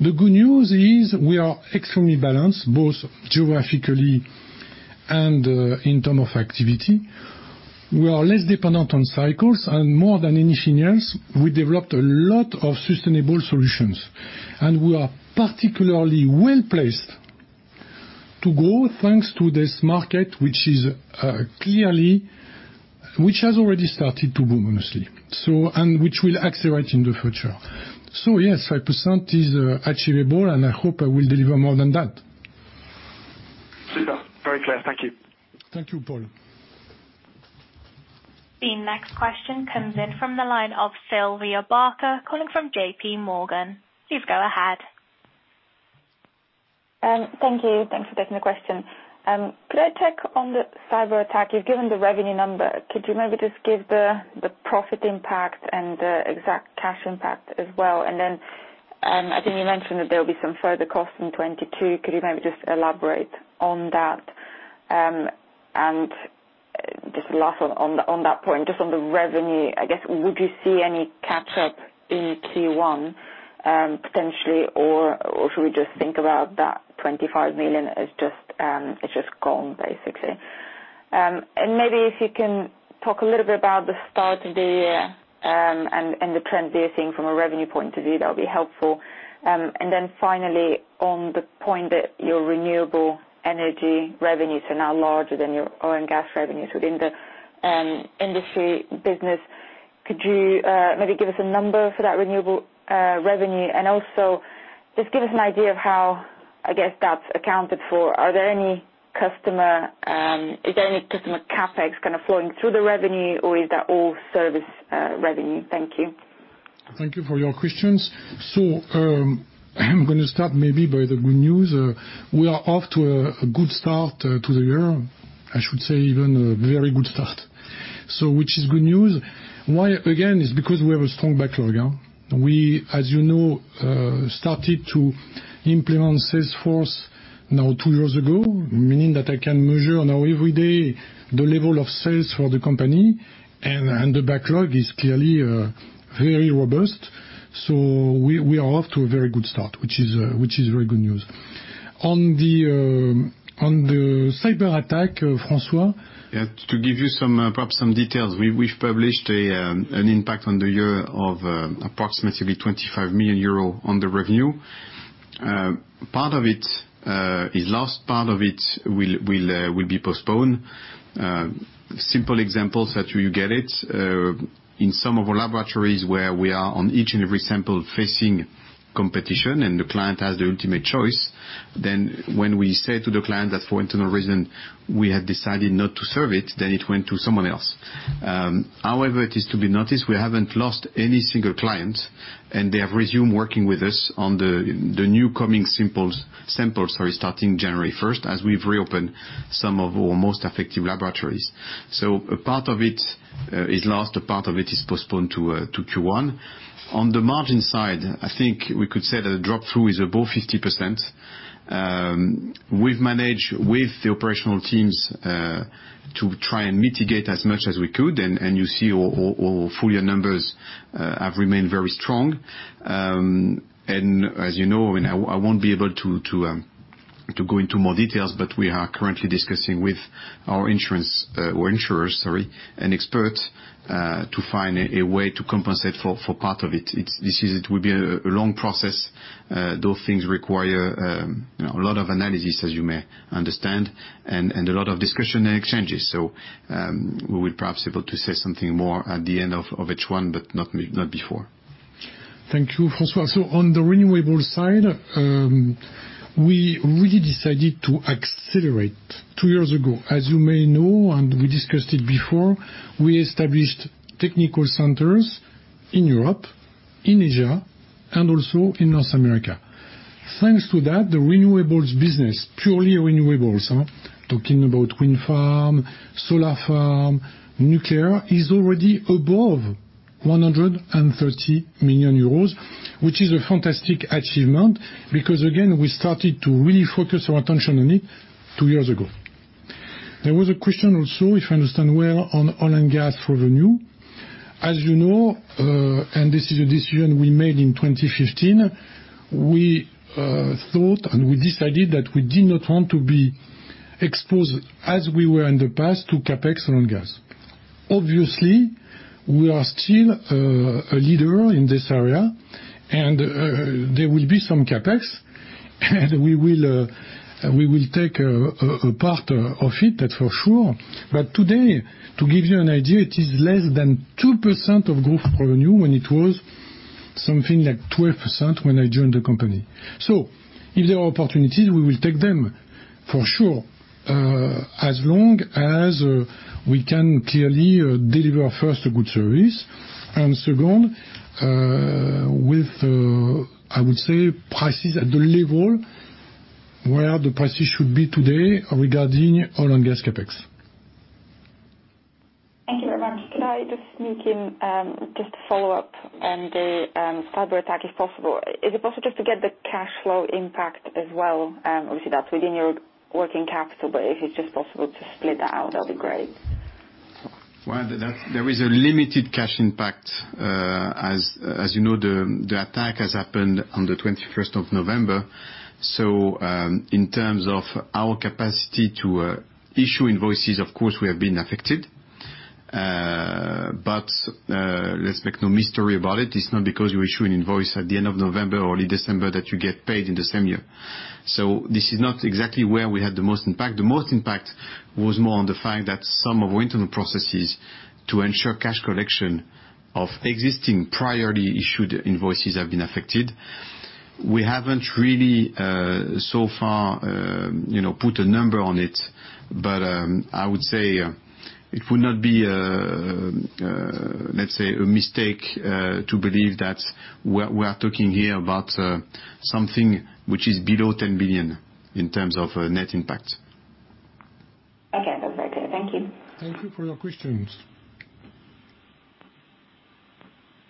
the good news is we are extremely balanced, both geographically and in terms of activity. We are less dependent on cycles, and more than anything else, we developed a lot of sustainable solutions. We are particularly well-placed to grow, thanks to this market, which has already started to boom, honestly, which will accelerate in the future. Yes, 5% is achievable, and I hope I will deliver more than that. Very clear. Thank you. Thank you, Paul. The next question comes in from the line of Sylvia Barker calling from JPMorgan. Please go ahead. Thank you. Thanks for taking the question. Could I check on the cyber attack? You've given the revenue number. Could you maybe just give the profit impact and the exact cash impact as well? And then, I think you mentioned that there'll be some further costs in 2022. Could you maybe just elaborate on that? And just last on that point, just on the revenue, I guess, would you see any catch-up in Q1, potentially? Or should we just think about that 25 million as just gone, basically? And maybe if you can talk a little bit about the start of the year, and the trends that you're seeing from a revenue point of view, that'll be helpful. On the point that your renewable energy revenues are now larger than your oil and gas revenues within the Industry business. Could you maybe give us a number for that renewable revenue? Also just give us an idea of how, I guess, that's accounted for. Is there any customer CapEx kinda flowing through the revenue, or is that all service revenue? Thank you. Thank you for your questions. I'm gonna start maybe by the good news. We are off to a good start to the year. I should say even a very good start. Which is good news. Why? Again, it's because we have a strong backlog. We, as you know, started to implement Salesforce now two years ago, meaning that I can measure now every day the level of sales for the company, and the backlog is clearly very robust. We are off to a very good start, which is very good news. On the cyber attack, François? Yeah. To give you some perhaps some details. We've published an impact on the year of approximately 25 million euro on the revenue. Part of it is lost, part of it will be postponed. Simple examples that you get it, in some of our laboratories where we are on each and every sample facing competition, and the client has the ultimate choice. Then when we say to the client that for internal reason, we have decided not to serve it, then it went to someone else. However, it is to be noticed, we haven't lost any single client, and they have resumed working with us on the new coming samples, starting January first, as we've reopened some of our most effective laboratories. A part of it is lost, a part of it is postponed to Q1. On the margin side, I think we could say that the drop-through is above 50%. We've managed with the operational teams to try and mitigate as much as we could. You see our full year numbers have remained very strong. As you know, I won't be able to go into more details, but we are currently discussing with our insurance or insurers, sorry, and experts to find a way to compensate for part of it. This is it. It will be a long process. Those things require you know, a lot of analysis, as you may understand, and a lot of discussion and exchanges. We will perhaps able to say something more at the end of H1, but not before. Thank you, François. On the renewables side, we really decided to accelerate two years ago. As you may know, and we discussed it before, we established technical centers in Europe, in Asia, and also in North America. Thanks to that, the renewables business, purely renewables, talking about wind farm, solar farm, nuclear is already above 130 million euros, which is a fantastic achievement because again, we started to really focus our attention on it two years ago. There was a question also, if I understand well, on oil and gas revenue. As you know, and this is a decision we made in 2015, we thought and we decided that we did not want to be exposed as we were in the past, to CapEx on gas. Obviously, we are still a leader in this area, and there will be some CapEx, and we will take a part of it, that's for sure. But today, to give you an idea, it is less than 2% of group revenue, and it was something like 12% when I joined the company. If there are opportunities, we will take them for sure, as long as we can clearly deliver first a good service, and second, with prices at the level where the prices should be today regarding oil and gas CapEx. Thank you very much. Can I just sneak in, just to follow up on the cyberattack, if possible. Is it possible just to get the cash flow impact as well? Obviously that's within your working capital, but if it's just possible to split out, that'd be great. Well, there is a limited cash impact. As you know, the attack has happened on the 21st of November. In terms of our capacity to issue invoices, of course, we have been affected. Let's make no mystery about it. It's not because you issue an invoice at the end of November, early December, that you get paid in the same year. This is not exactly where we had the most impact. The most impact was more on the fact that some of our internal processes to ensure cash collection of existing previously issued invoices have been affected. We haven't really, so far, you know, put a number on it. I would say it would not be a let's say a mistake to believe that we are talking here about something which is below 10 million in terms of net impact. Okay. That's very clear. Thank you. Thank you for your questions.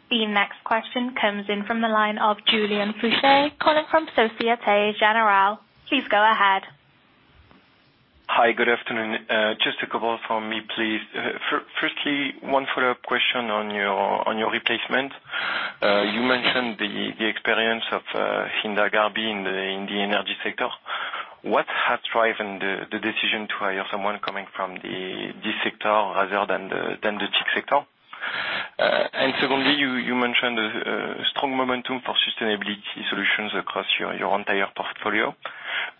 The next question comes in from the line of Julien Fouché calling from Société Générale. Please go ahead. Hi. Good afternoon. Just a couple from me, please. Firstly, one follow-up question on your replacement. You mentioned the experience of Hinda Gharbi in the energy sector. What had driven the decision to hire someone coming from this sector rather than the TIC sector? And secondly, you mentioned strong momentum for sustainability solutions across your entire portfolio.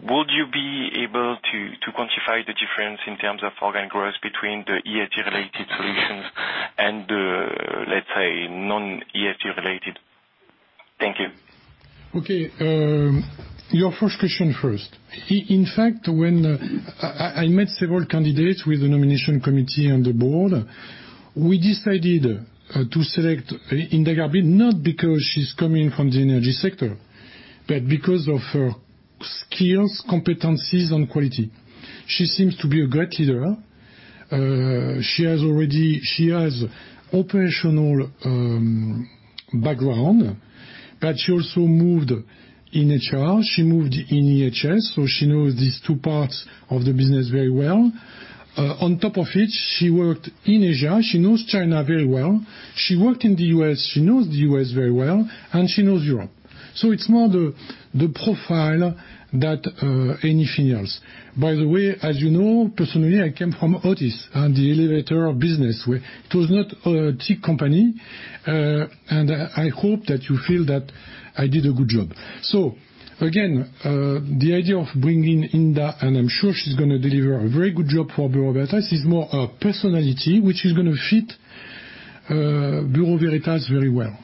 Would you be able to quantify the difference in terms of organic growth between the ESG related solutions and let's say non-ESG related? Thank you. Okay. Your first question first. In fact, when I met several candidates with the nomination committee and the board, we decided to select Hinda Gharbi, not because she's coming from the energy sector, but because of her skills, competencies, and quality. She seems to be a great leader. She has operational background, but she also moved in HR. She moved in EHS, so she knows these two parts of the business very well. On top of it, she worked in Asia. She knows China very well. She worked in the U.S. She knows the U.S. very well, and she knows Europe. So it's more the profile that anything else. By the way, as you know, personally, I came from Otis and the elevator business where it was not a TIC company. I hope that you feel that I did a good job. The idea of bringing in Hinda, and I'm sure she's gonna deliver a very good job for Bureau Veritas, is more her personality, which is gonna fit, Bureau Veritas very well.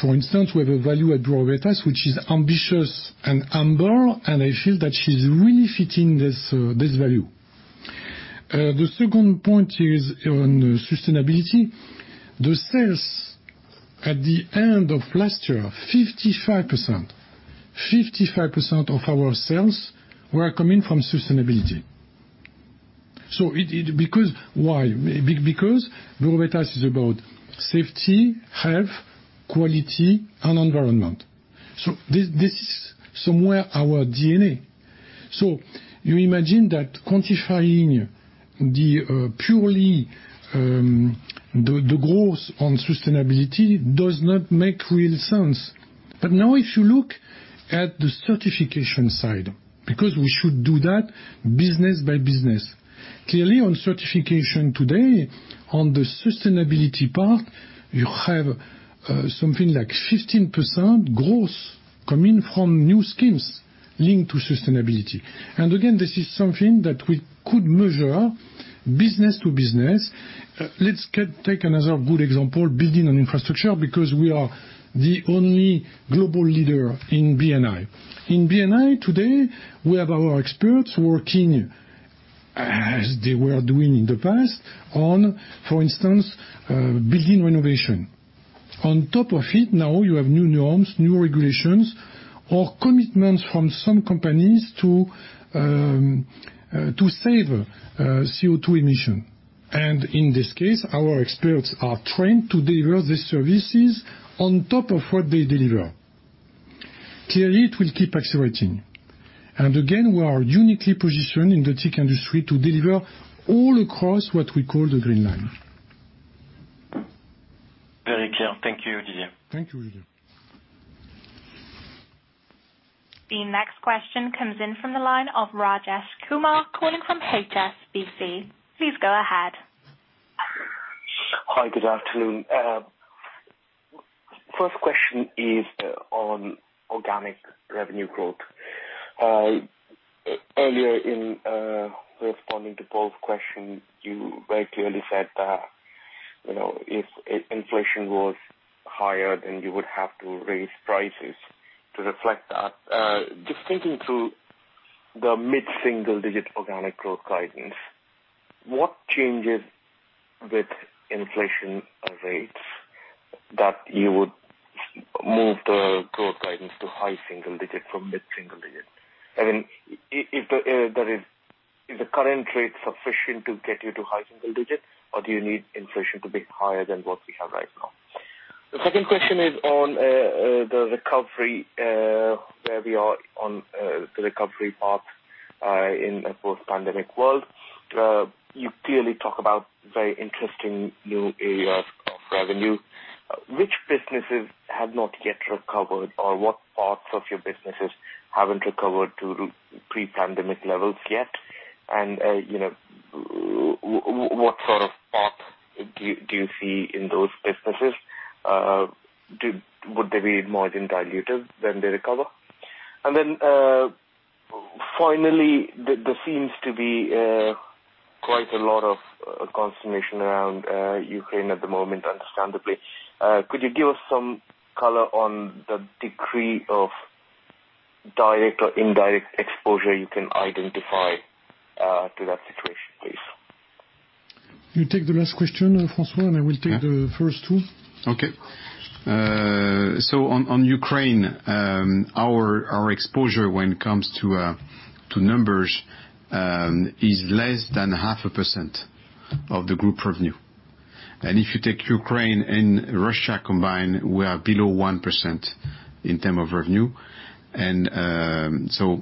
For instance, we have a value at Bureau Veritas which is Ambitious and Humble, and I feel that she's really fitting this value. The second point is on sustainability. The sales at the end of last year, 55%. 55% of our sales were coming from sustainability. Because why? Because Bureau Veritas is about safety, health, quality, and environment. This is somewhere our DNA. You imagine that quantifying the purely, the growth on sustainability does not make real sense. Now if you look at the certification side, because we should do that business by business. Clearly on certification today, on the sustainability part, you have something like 15% growth coming from new schemes linked to sustainability. Again, this is something that we could measure business to business. Take another good example, Buildings & Infrastructure, because we are the only global leader in B&I. In B&I today, we have our experts working as they were doing in the past on, for instance, building renovation. On top of it now, you have new norms, new regulations or commitments from some companies to save CO2 emission. In this case, our experts are trained to deliver the services on top of what they deliver. Clearly, it will keep accelerating. Again, we are uniquely positioned in the tech industry to deliver all across what we call the Green Line. Very clear. Thank you, Didier. Thank you. The next question comes in from the line of Rajesh Kumar calling from HSBC. Please go ahead. Hi. Good afternoon. First question is on organic revenue growth. Earlier in responding to Paul's question, you very clearly said that, you know, if inflation was higher, then you would have to raise prices to reflect that. Just thinking through the mid-single digit organic growth guidance, what changes with inflation rates that you would move the growth guidance to high single digit from mid-single digit? I mean, if there is. Is the current rate sufficient to get you to high single digit, or do you need inflation to be higher than what we have right now? The second question is on the recovery, where we are on the recovery path, in a post-pandemic world. You clearly talk about very interesting new areas of revenue. Which businesses have not yet recovered or what parts of your businesses haven't recovered to pre-pandemic levels yet? You know, what sort of path do you see in those businesses? Would they be margin dilutive when they recover? Finally, there seems to be quite a lot of consternation around Ukraine at the moment, understandably. Could you give us some color on the degree of direct or indirect exposure you can identify to that situation, please? You take the last question, François- Yeah. I will take the first two. On Ukraine, our exposure when it comes to numbers is less than 0.5% of the group revenue. If you take Ukraine and Russia combined, we are below 1% in terms of revenue.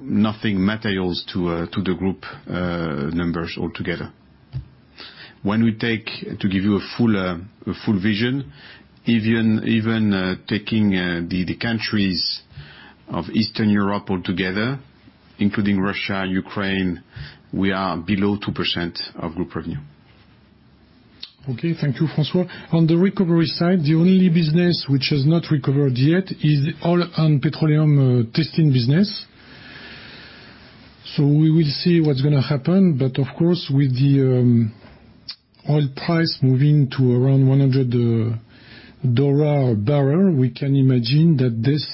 Nothing material to the group numbers altogether. To give you a full vision, even taking the countries of Eastern Europe altogether, including Russia and Ukraine, we are below 2% of group revenue. Okay. Thank you, François. On the recovery side, the only business which has not recovered yet is oil and petroleum testing business. We will see what's gonna happen. But of course, with the oil price moving to around $100 a barrel, we can imagine that this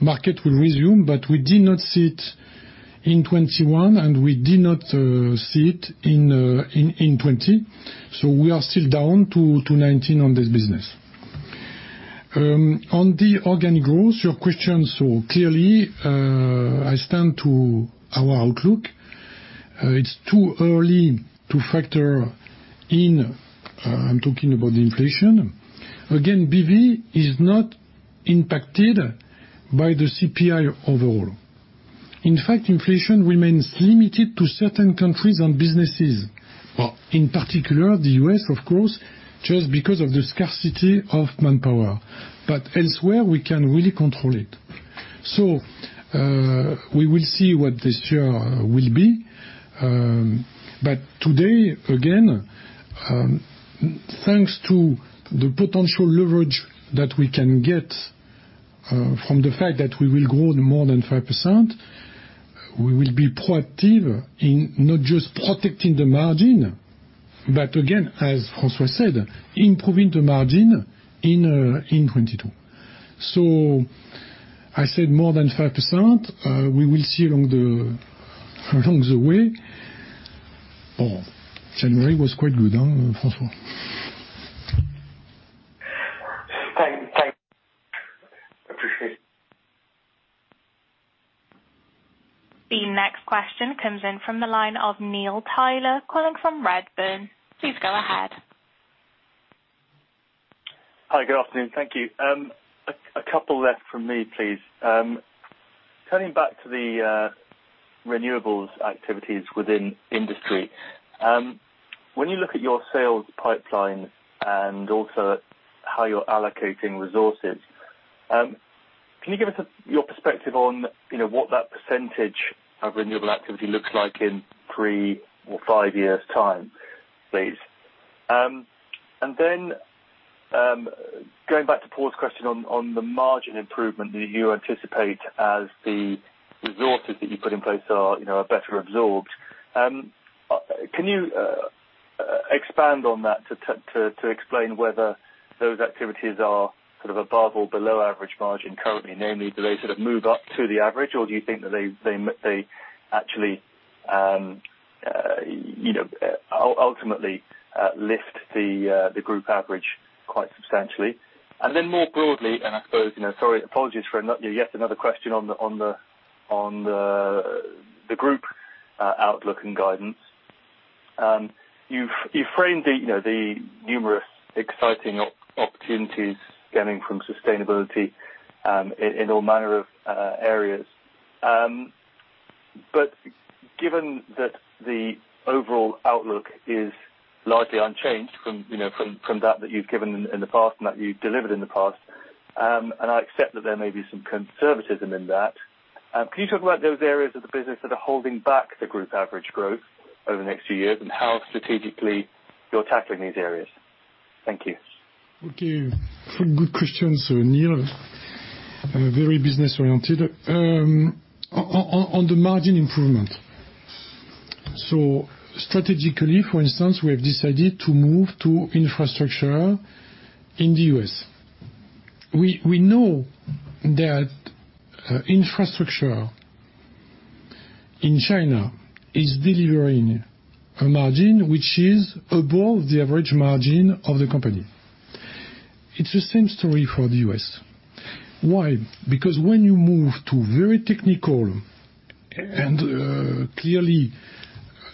market will resume. We did not see it in 2021, and we did not see it in 2020. We are still down to 2019 on this business. On the organic growth, your question, clearly, I stand to our outlook. It's too early to factor in, I'm talking about the inflation. Again, BV is not impacted by the CPI overall. In fact, inflation remains limited to certain countries and businesses. Well, in particular, the U.S. of course, just because of the scarcity of manpower. Elsewhere, we can really control it. We will see what this year will be. Today, again, thanks to the potential leverage that we can get from the fact that we will grow more than 5%, we will be proactive in not just protecting the margin, but again, as François said, improving the margin in 2022. I said more than 5%. We will see along the way. Oh, January was quite good, huh, François? Thank you. Appreciate. The next question comes in from the line of Neil Tyler, calling from Redburn. Please go ahead. Hi, good afternoon. Thank you. A couple left from me, please. Turning back to the renewables activities within industry, when you look at your sales pipeline and also how you're allocating resources, can you give us your perspective on, you know, what that percentage of renewable activity looks like in three or five years' time, please? Going back to Paul's question on the margin improvement that you anticipate as the resources that you put in place are, you know, are better absorbed, can you expand on that to explain whether those activities are sort of above or below average margin currently? Namely, do they sort of move up to the average, or do you think that they actually, you know, ultimately lift the group average quite substantially? Then more broadly, I suppose, you know, sorry, apologies for yet another question on the group outlook and guidance. You've framed the, you know, the numerous exciting opportunities gaining from sustainability, in all manner of areas. Given that the overall outlook is largely unchanged from, you know, from that you've given in the past and that you delivered in the past, and I accept that there may be some conservatism in that, can you talk about those areas of the business that are holding back the group average growth over the next few years and how strategically you're tackling these areas? Thank you. Okay. Three good questions, Neil, very business oriented. On the margin improvement. Strategically, for instance, we have decided to move to infrastructure in the U.S. We know that infrastructure in China is delivering a margin which is above the average margin of the company. It's the same story for the U.S. Why? Because when you move to very technical and clearly,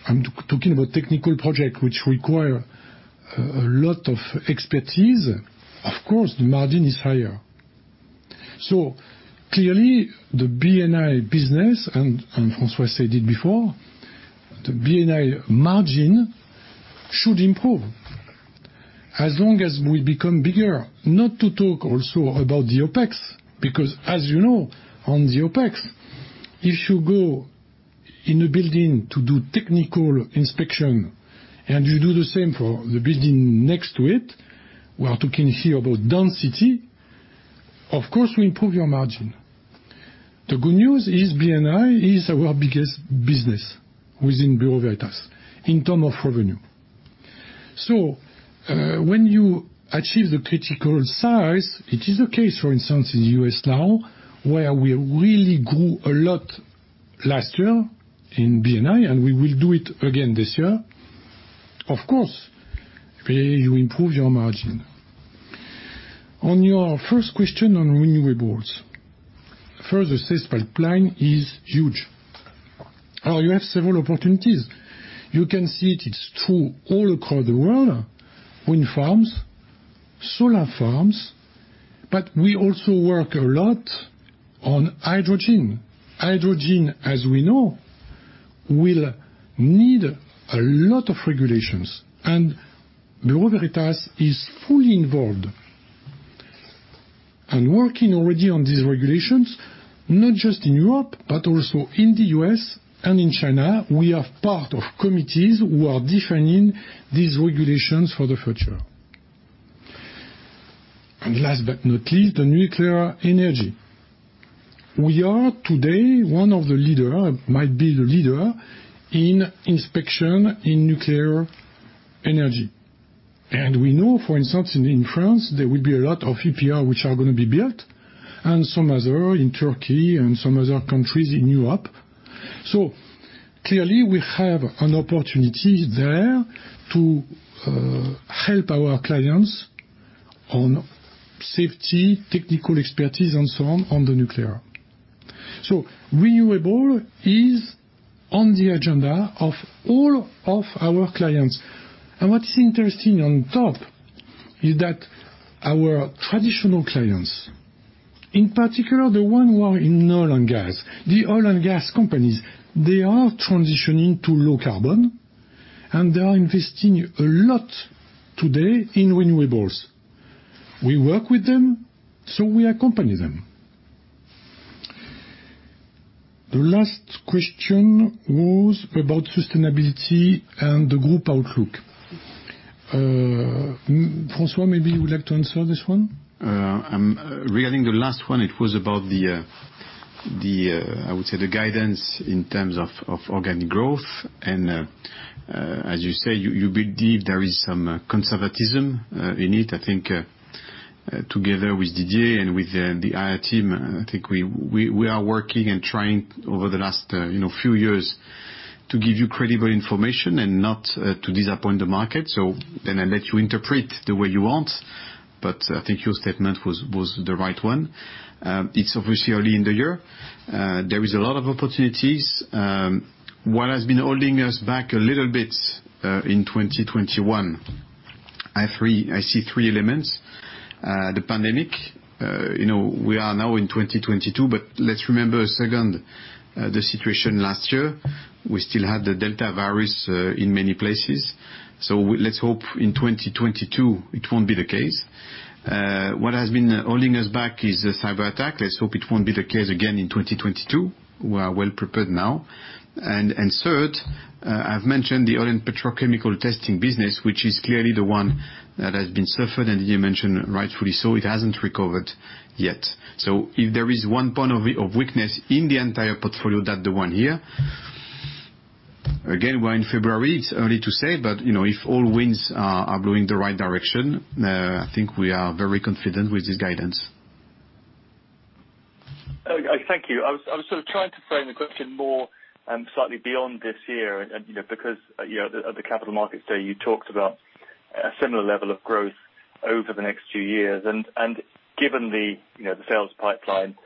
I'm talking about technical project, which require a lot of expertise, of course, the margin is higher. Clearly, the B&I business, and François stated before, the B&I margin should improve as long as we become bigger. Not to talk also about the OpEx, because as you know, on the OpEx, if you go in a building to do technical inspection, and you do the same for the building next to it, we are talking here about density, of course we improve your margin. The good news is B&I is our biggest business within Bureau Veritas in terms of revenue. When you achieve the critical size, it is a case, for instance, in U.S. now, where we really grew a lot last year in B&I, and we will do it again this year. Of course, you improve your margin. On your first question on renewables. First, the sales pipeline is huge. You have several opportunities. You can see it. It's true all across the world, wind farms, solar farms, but we also work a lot on hydrogen. Hydrogen, as we know, will need a lot of regulations, and Bureau Veritas is fully involved and working already on these regulations, not just in Europe, but also in the U.S. and in China. We are part of committees who are defining these regulations for the future. Last but not least, on nuclear energy, we are today one of the leader, might be the leader in inspection in nuclear energy. We know, for instance, in France, there will be a lot of EPR which are gonna be built and some other in Turkey and some other countries in Europe. Clearly, we have an opportunity there to help our clients on safety, technical expertise and so on the nuclear. Renewable is on the agenda of all of our clients. What is interesting on top is that our traditional clients, in particular, the one who are in oil and gas, the oil and gas companies, they are transitioning to low carbon, and they are investing a lot today in renewables. We work with them, so we accompany them. The last question was about sustainability and the group outlook. François, maybe you would like to answer this one. Regarding the last one, it was about the guidance in terms of organic growth. As you say, you believe there is some conservatism in it. I think, together with Didier and with the IR team, I think we are working and trying over the last, you know, few years to give you credible information and not to disappoint the market. I let you interpret the way you want, but I think your statement was the right one. It's obviously early in the year. There is a lot of opportunities. What has been holding us back a little bit in 2021, I see three elements. The pandemic. You know, we are now in 2022, but let's remember a second, the situation last year. We still had the Delta variant in many places. Let's hope in 2022 it won't be the case. What has been holding us back is the cyberattack. Let's hope it won't be the case again in 2022. We are well prepared now. Third, I've mentioned the oil and petrochemical testing business, which is clearly the one that has been suffered, and you mentioned rightfully so, it hasn't recovered yet. If there is one point of weakness in the entire portfolio, that's the one here. Again, we're in February, it's early to say, but you know, if all winds are blowing the right direction, I think we are very confident with this guidance. Thank you. I was sort of trying to frame the question more slightly beyond this year, and you know, because you know, at the capital markets day, you talked about a similar level of growth over the next two years. Given the you know, the sales pipeline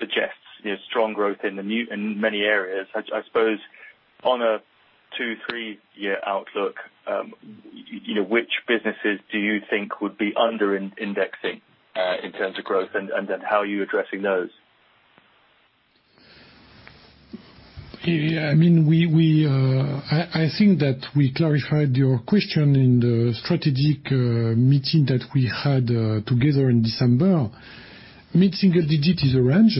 suggests you know, strong growth in many areas, I suppose on a two- to three-year outlook you know, which businesses do you think would be under-indexing in terms of growth, and then how are you addressing those? Yeah. I mean, we clarified your question in the strategic meeting that we had together in December. Mid-single digit is a range.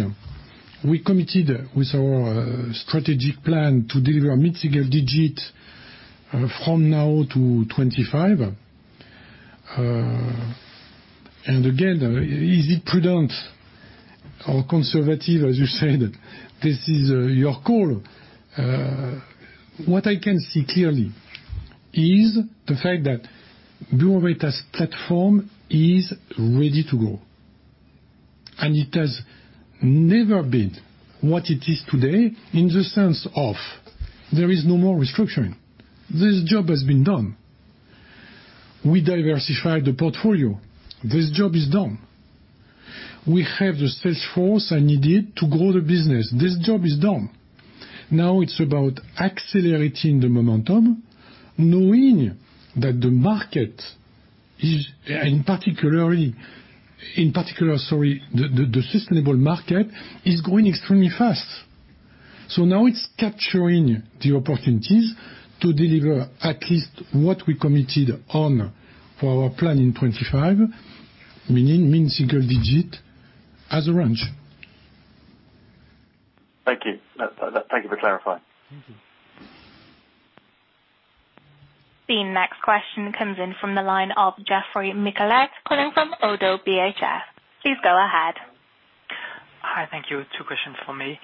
We committed with our strategic plan to deliver mid-single digit from now to 2025. And again, is it prudent or conservative, as you said, this is your call. What I can see clearly is the fact that Bureau Veritas platform is ready to go, and it has never been what it is today in the sense of there is no more restructuring. This job has been done. We diversified the portfolio. This job is done. We have the salesforce I needed to grow the business. This job is done. Now it's about accelerating the momentum, knowing that the market is, in particular, the sustainable market is growing extremely fast. Now it's capturing the opportunities to deliver at least what we committed on for our plan in 2025, meaning mid-single-digit as a range. Thank you. Thank you for clarifying. Mm-hmm. The next question comes in from the line of Geoffroy Michalet, calling from ODDO BHF. Please go ahead. Hi. Thank you. Two questions for me.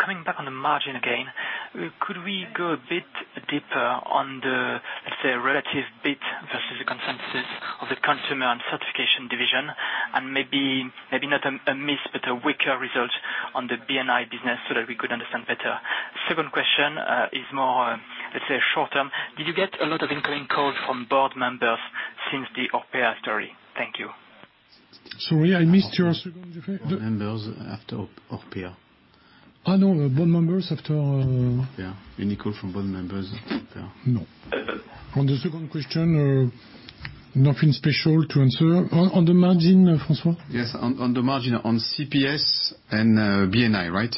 Coming back on the margin again, could we go a bit deeper on the, let's say, relative EBIT versus the consensus of the Consumer Products and Certification division, and maybe not a miss, but a weaker result on the B&I business so that we could understand better. Second question is more, let's say, short-term. Did you get a lot of incoming calls from board members since the Orpea story? Thank you. Sorry, I missed your second. Board members after Orpea. Oh, no. Board members after Orpea. Any call from board members after? No. On the second question, nothing special to answer. On the margin, François? Yes, on the margin, on CPS and B&I, right?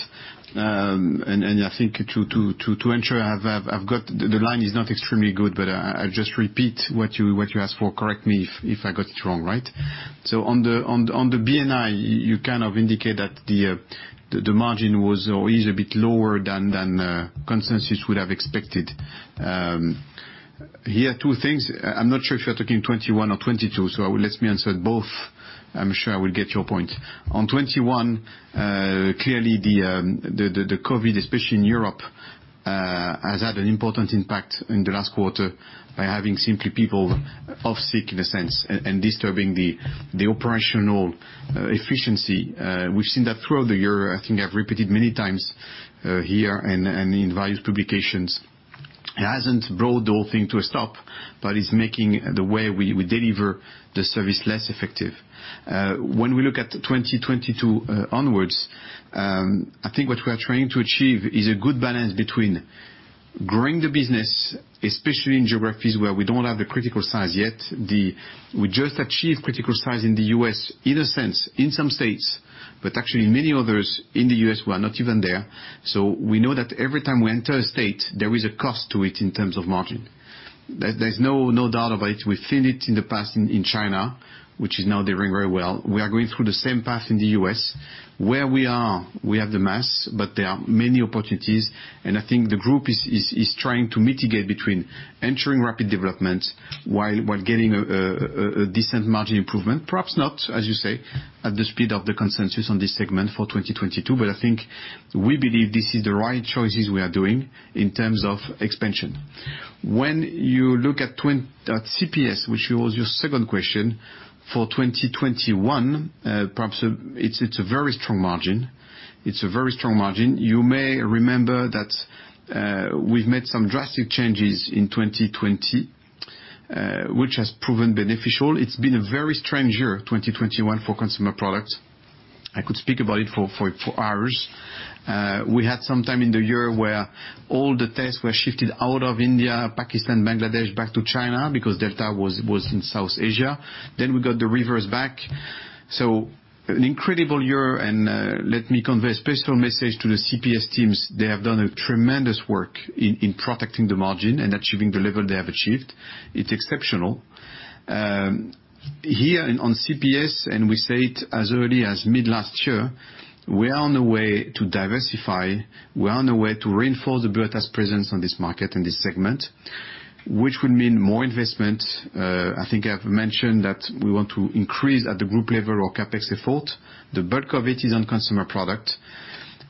And I think to ensure I've got it. The line is not extremely good, but I just repeat what you asked for, correct me if I got it wrong, right? On the B&I, you kind of indicate that the margin was or is a bit lower than consensus would have expected. Here are two things. I'm not sure if you're talking 2021 or 2022, so let me answer both. I'm sure I will get your point. On 2021, clearly the COVID, especially in Europe, has had an important impact in the last quarter by having simply people off sick in a sense and disturbing the operational efficiency. We've seen that throughout the year. I think I've repeated many times here and in various publications. It hasn't brought the whole thing to a stop, but it's making the way we deliver the service less effective. When we look at 2022 onwards, I think what we are trying to achieve is a good balance between growing the business, especially in geographies where we don't have the critical size yet. We just achieved critical size in the U.S. in a sense, in some states, but actually many others in the U.S. who are not even there. So we know that every time we enter a state, there is a cost to it in terms of margin. There's no doubt about it. We've seen it in the past in China, which is now doing very well. We are going through the same path in the U.S. where we are, we have the mass, but there are many opportunities, and I think the group is trying to mitigate between entering rapid development while getting a decent margin improvement. Perhaps not, as you say, at the speed of the consensus on this segment for 2022. I think we believe this is the right choices we are doing in terms of expansion. When you look at CPS, which was your second question, for 2021, perhaps it's a very strong margin. It's a very strong margin. You may remember that, we've made some drastic changes in 2020, which has proven beneficial. It's been a very strange year, 2021, for Consumer Products. I could speak about it for hours. We had some time in the year where all the tests were shifted out of India, Pakistan, Bangladesh, back to China because Delta was in South Asia, then we got the reverse back. An incredible year, and let me convey a special message to the CPS teams. They have done a tremendous work in protecting the margin and achieving the level they have achieved. It's exceptional. Here on CPS, and we say it as early as mid last year, we are on the way to diversify. We are on the way to reinforce the Bureau Veritas presence on this market, in this segment, which would mean more investment. I think I've mentioned that we want to increase our CapEx effort at the group level. The bulk of it is on Consumer Products,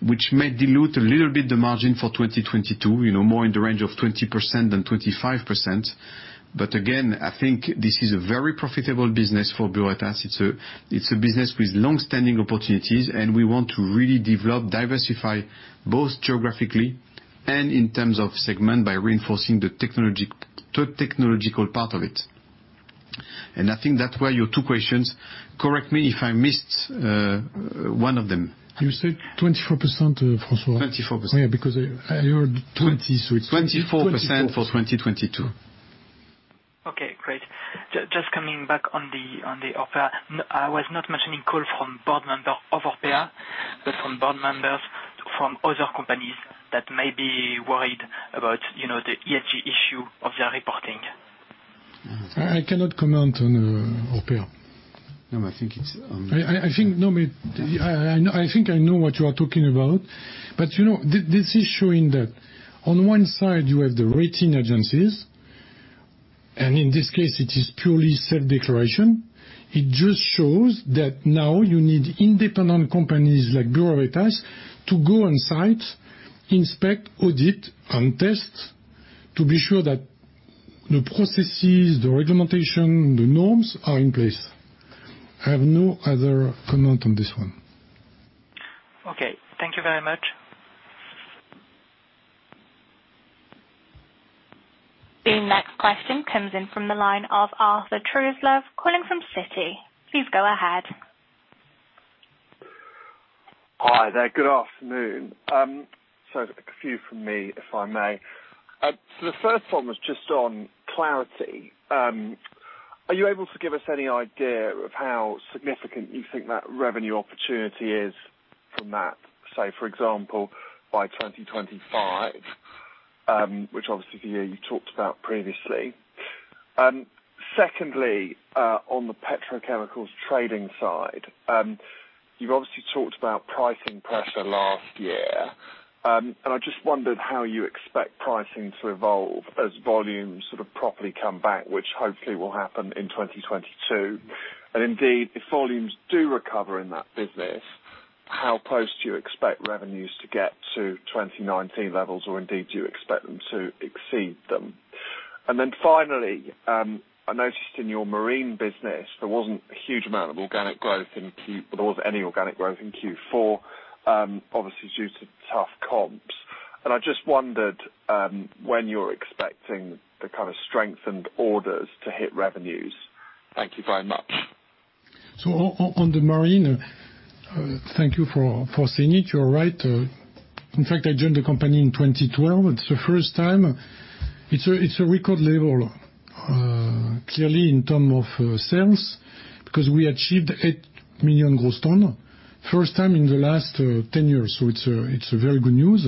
which may dilute a little bit the margin for 2022, you know, more in the range of 20% than 25%. I think this is a very profitable business for Bureau Veritas. It's a business with long-standing opportunities, and we want to really develop, diversify, both geographically and in terms of segment, by reinforcing the technological part of it. I think that were your two questions. Correct me if I missed one of them. You said 24%, François? 24%. Yeah, because I heard 20, so it's... 24% for 2022. Okay, great. Just coming back on the Orpea. I was not mentioning call from board member of Orpea, but from board members from other companies that may be worried about, you know, the ESG issue of their reporting. I cannot comment on Orpea. No, I think it's. I think I know what you are talking about, but you know, this is showing that on one side you have the rating agencies, and in this case, it is purely self-declaration. It just shows that now you need independent companies like Bureau Veritas to go on site, inspect, audit, and test to be sure that the processes, the regulation, the norms are in place. I have no other comment on this one. Okay. Thank you very much. The next question comes in from the line of Arthur Truslove calling from Citi. Please go ahead. Hi there. Good afternoon. A few from me, if I may. The first one was just on Clarity. Are you able to give us any idea of how significant you think that revenue opportunity is from that, say, for example, by 2025, which obviously, you know, you talked about previously. Secondly, on the petrochemicals trading side, you've obviously talked about pricing pressure last year, and I just wondered how you expect pricing to evolve as volumes sort of properly come back, which hopefully will happen in 2022. Indeed, if volumes do recover in that business, how close do you expect revenues to get to 2019 levels, or indeed, do you expect them to exceed them? Finally, I noticed in your marine business there wasn't a huge amount of organic growth in Q4. Well, there wasn't any organic growth in Q4, obviously due to tough comps. I just wondered when you're expecting the kind of strengthened orders to hit revenues. Thank you very much. On the marine, thank you for saying it, you're right. In fact, I joined the company in 2012. It's the first time. It's a record level, clearly in terms of sales 'cause we achieved 8 million gross tonnage. First time in the last 10 years, so it's a very good news.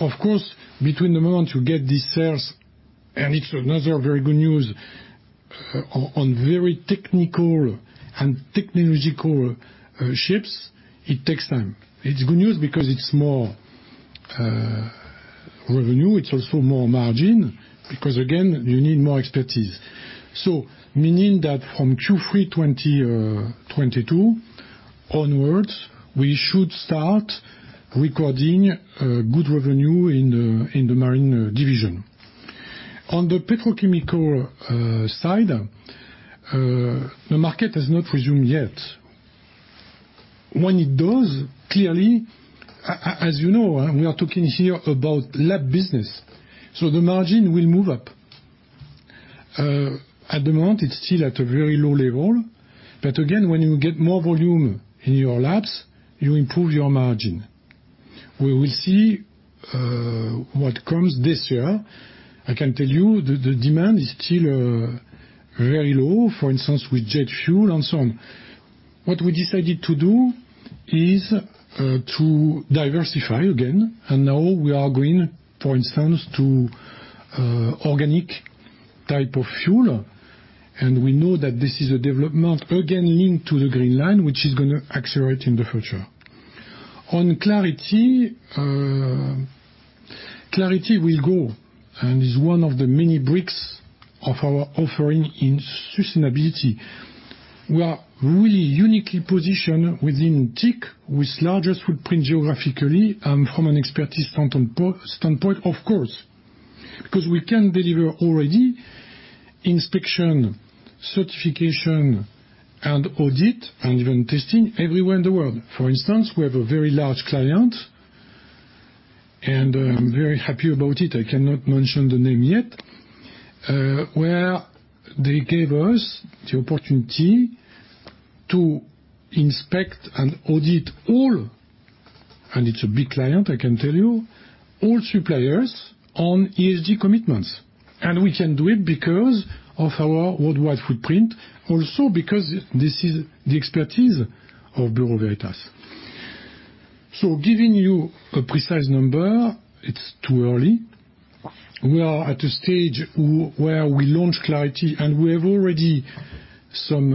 Of course, between the moment you get these sales, and it's another very good news, on very technical and technological ships, it takes time. It's good news because it's more revenue. It's also more margin because again, you need more expertise. Meaning that from Q3 2022 onwards, we should start recording good revenue in the marine division. On the petrochemical side, the market has not resumed yet. When it does, clearly, as you know, we are talking here about lab business, so the margin will move up. At the moment, it's still at a very low level, but again, when you get more volume in your labs, you improve your margin. We will see what comes this year. I can tell you the demand is still very low. For instance, with jet fuel and so on. What we decided to do is to diversify again. Now we are going, for instance, to organic type of fuel. We know that this is a development, again, linked to the green line, which is gonna accelerate in the future. On Clarity will go and is one of the many bricks of our offering in sustainability. We are really uniquely positioned within TIC, with largest footprint geographically and from an expertise standpoint, of course. We can deliver already inspection, certification and audit and even testing everywhere in the world. For instance, we have a very large client, and I'm very happy about it, I cannot mention the name yet, where they gave us the opportunity to inspect and audit all, and it's a big client, I can tell you, all suppliers on ESG commitments. We can do it because of our worldwide footprint, also because this is the expertise of Bureau Veritas. Giving you a precise number, it's too early. We are at a stage where we launch Clarity, and we have already some.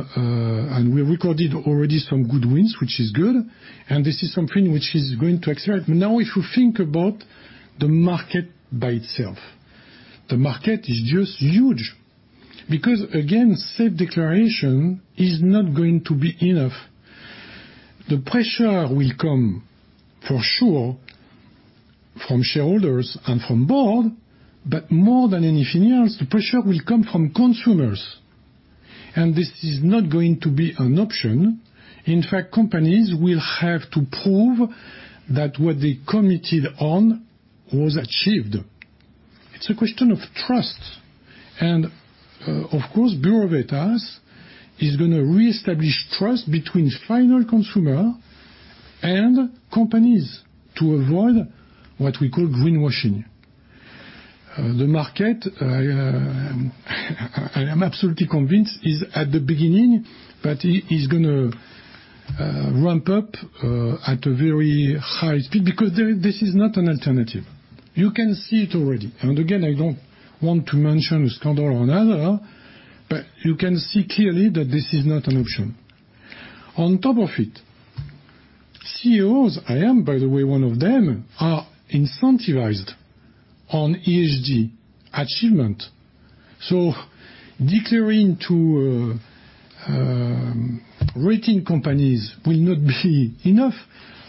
We recorded already some good wins, which is good, and this is something which is going to accelerate. Now, if you think about the market by itself. The market is just huge. Because again, self-declaration is not going to be enough. The pressure will come, for sure, from shareholders and from board, but more than anything else, the pressure will come from consumers. This is not going to be an option. In fact, companies will have to prove that what they committed on was achieved. It's a question of trust. Of course, Bureau Veritas is gonna reestablish trust between final consumer and companies to avoid what we call greenwashing. The market, I'm absolutely convinced is at the beginning, but it's gonna ramp up at a very high speed because this is not an alternative. You can see it already. Again, I don't want to mention a scandal or another, but you can see clearly that this is not an option. On top of it, CEOs, I am, by the way, one of them, are incentivized on ESG achievement. Declaring to rating companies will not be enough.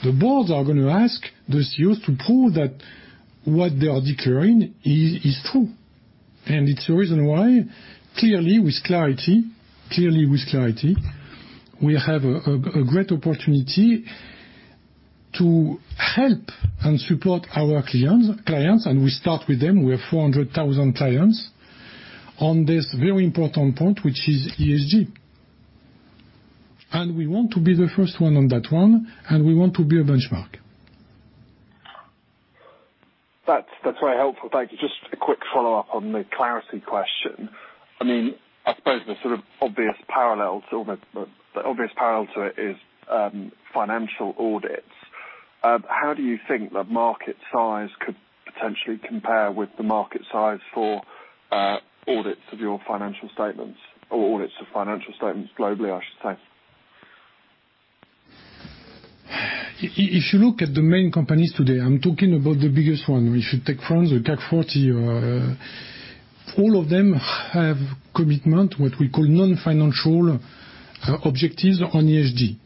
The boards are gonna ask the CEOs to prove that what they are declaring is true. It's the reason why, clearly with Clarity, we have a great opportunity to help and support our clients, and we start with them. We have 400,000 clients on this very important point, which is ESG. We want to be the first one on that one, and we want to be a benchmark. That's very helpful. Thank you. Just a quick follow-up on the Clarity question. I mean, I suppose the sort of obvious parallel to it is financial audits. How do you think the market size could potentially compare with the market size for audits of your financial statements or audits of financial statements globally, I should say? If you look at the main companies today, I'm talking about the biggest one. If you take France, the CAC 40. All of them have commitment, what we call non-financial objectives on ESG.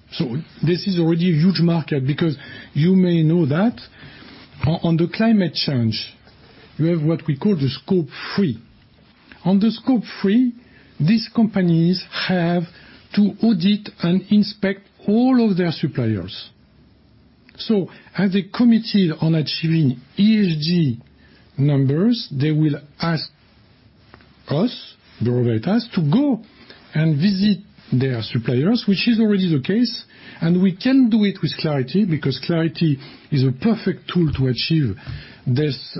This is already a huge market because you may know that on the climate change, you have what we call the Scope 3. On the Scope 3, these companies have to audit and inspect all of their suppliers. As they committed on achieving ESG numbers, they will ask us, Bureau Veritas, to go and visit their suppliers, which is already the case. We can do it with Clarity because Clarity is a perfect tool to achieve this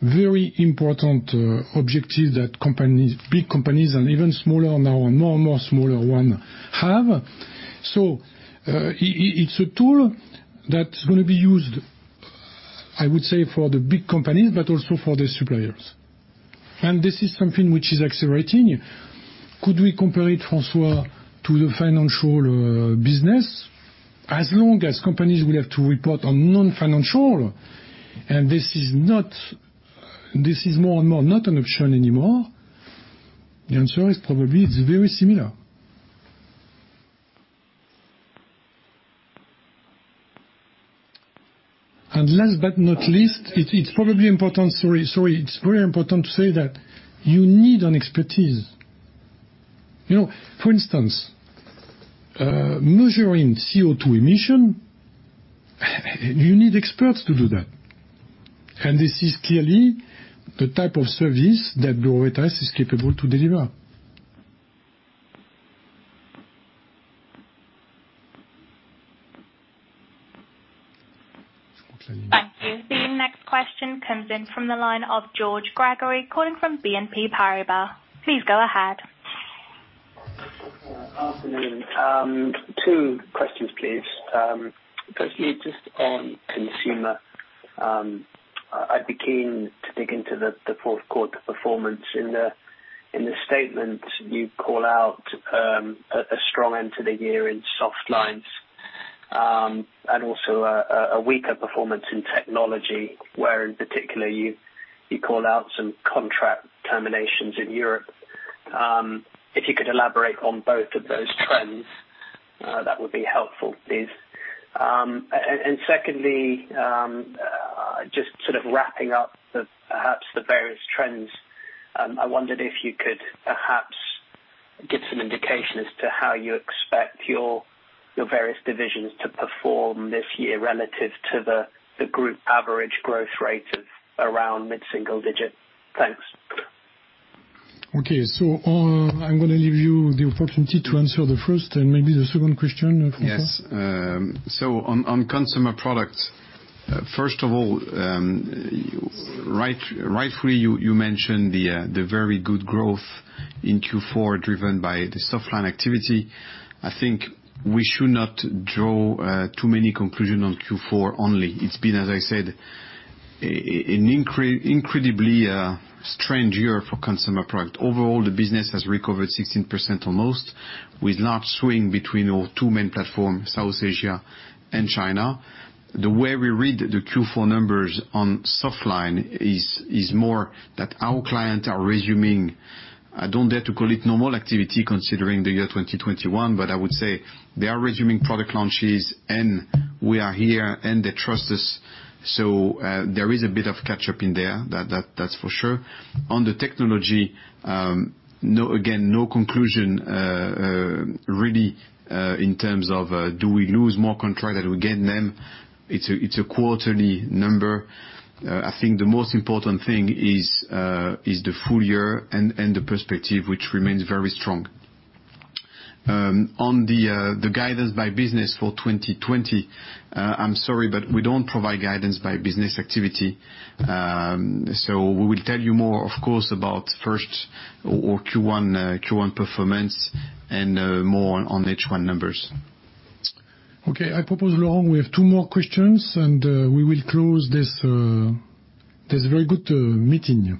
very important objective that companies, big companies and even smaller now and more and more smaller one have. It's a tool that's gonna be used, I would say, for the big companies, but also for the suppliers. This is something which is accelerating. Could we compare it, François, to the financial business? As long as companies will have to report on non-financial, and this is not, this is more and more not an option anymore, the answer is probably, it's very similar. Last but not least, it's probably important. Sorry. It's very important to say that you need an expertise. You know, for instance, measuring CO2 emissions. You need experts to do that. This is clearly the type of service that Bureau Veritas is capable to deliver. Thank you. The next question comes in from the line of George Gregory, calling from BNP Paribas. Please go ahead. Afternoon. Two questions, please. Firstly, just on consumer, I'd be keen to dig into the fourth quarter performance. In the statement you call out a strong end to the year in soft lines and also a weaker performance in technology, where in particular you call out some contract terminations in Europe. If you could elaborate on both of those trends, that would be helpful, please. Secondly, just sort of wrapping up, perhaps, the various trends, I wondered if you could perhaps give some indication as to how you expect your various divisions to perform this year relative to the group average growth rate of around mid-single digit. Thanks. Okay. I'm gonna leave you the opportunity to answer the first and maybe the second question, François. Yes. So on Consumer Products, first of all, right, rightfully you mention the very good growth in Q4 driven by the soft line activity. I think we should not draw too many conclusions on Q4 only. It's been, as I said, an incredibly strange year for Consumer Products. Overall, the business has recovered 16% almost, with large swings between our two main platforms, South Asia and China. The way we read the Q4 numbers on soft line is more that our clients are resuming. I don't dare to call it normal activity considering the year 2021, but I would say they are resuming product launches, and we are here, and they trust us. So there is a bit of catch-up in there. That's for sure. On the technology, no, again, no conclusion really in terms of do we lose more contract or we gain them. It's a quarterly number. I think the most important thing is the full year and the perspective, which remains very strong. On the guidance by business for 2020, I'm sorry, but we don't provide guidance by business activity. We will tell you more, of course, about first or Q1 performance and more on H1 numbers. Okay. I propose, Laurent, we have two more questions, and we will close this very good meeting.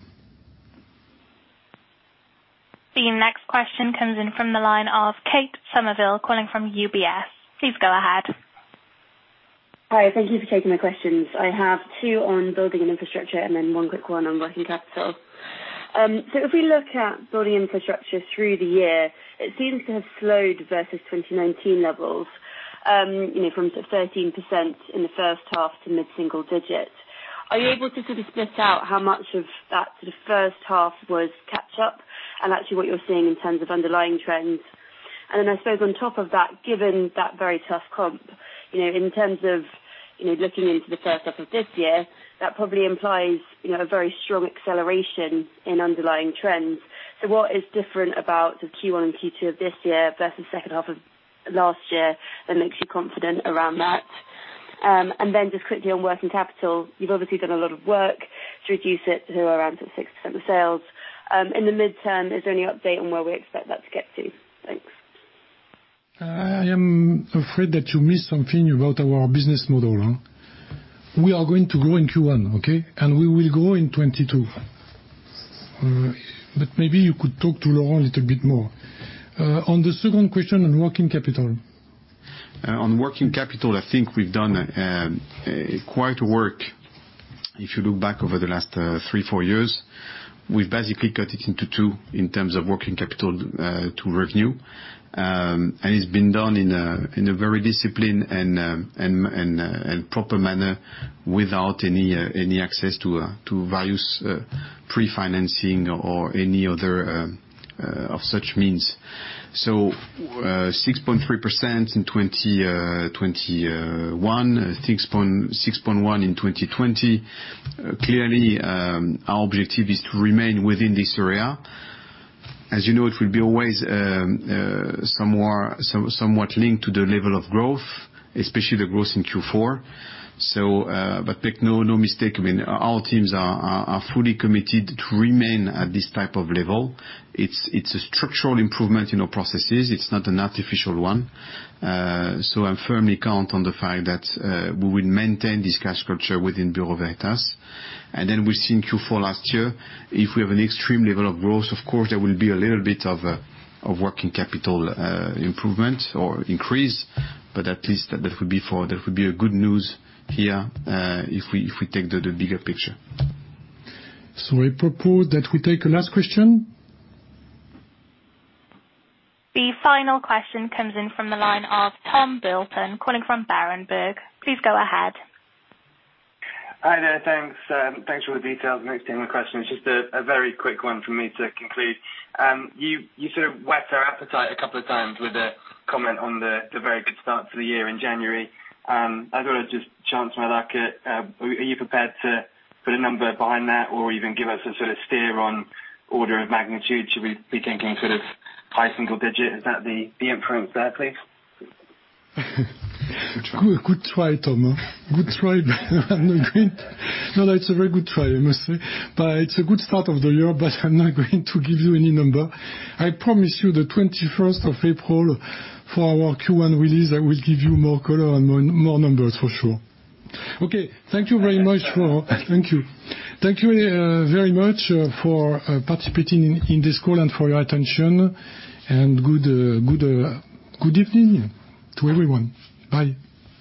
The next question comes in from the line of Kate Somerville, calling from UBS. Please go ahead. Hi. Thank you for taking my questions. I have two on Buildings & Infrastructure and then one quick one on working capital. So if we look at Buildings & Infrastructure through the year, it seems to have slowed versus 2019 levels, you know, from 13% in the first half to mid-single digit. Are you able to sort of split out how much of that sort of first half was catch-up and actually what you're seeing in terms of underlying trends? And then I suppose on top of that, given that very tough comp, you know, in terms of, you know, looking into the first half of this year, that probably implies, you know, a very strong acceleration in underlying trends. What is different about the Q1 and Q2 of this year versus second half of last year that makes you confident around that? Just quickly on working capital, you've obviously done a lot of work to reduce it to around sort of 6% of sales. In the midterm, is there any update on where we expect that to get to? Thanks. I am afraid that you missed something about our business model. We are going to grow in Q1, okay? We will grow in 2022. Maybe you could talk to Laurent a little bit more on the second question on working capital. On working capital, I think we've done quite a work. If you look back over the last three, four years, we've basically cut it into two in terms of working capital to revenue. It's been done in a very disciplined and proper manner without any access to various pre-financing or any other of such means. 6.3% in 2021. 6.1% in 2020. Clearly, our objective is to remain within this area. As you know, it will be always somewhere somewhat linked to the level of growth, especially the growth in Q4. But make no mistake, I mean, our teams are fully committed to remain at this type of level. It's a structural improvement in our processes. It's not an artificial one. I firmly count on the fact that we will maintain this cash culture within Bureau Veritas. We've seen Q4 last year. If we have an extreme level of growth, of course there will be a little bit of working capital improvement or increase, but at least that would be good news here if we take the bigger picture. I propose that we take a last question. The final question comes in from the line of Tom Burlton, calling from Berenberg. Please go ahead. Hi there. Thanks for the details and taking the question. It's just a very quick one from me to conclude. You sort of whet our appetite a couple of times with a comment on the very good start to the year in January. I thought I'd just chance my luck. Are you prepared to put a number behind that or even give us a sort of steer on order of magnitude? Should we be thinking sort of high single-digit %? Is that the improvement there, please? Good try, Tom. It's a very good try, I must say. It's a good start of the year, but I'm not going to give you any number. I promise you the 21st of April for our Q1 release, I will give you more color and more numbers for sure. Okay. Thank you very much. Thank you very much for participating in this call and for your attention, and good evening to everyone. Bye.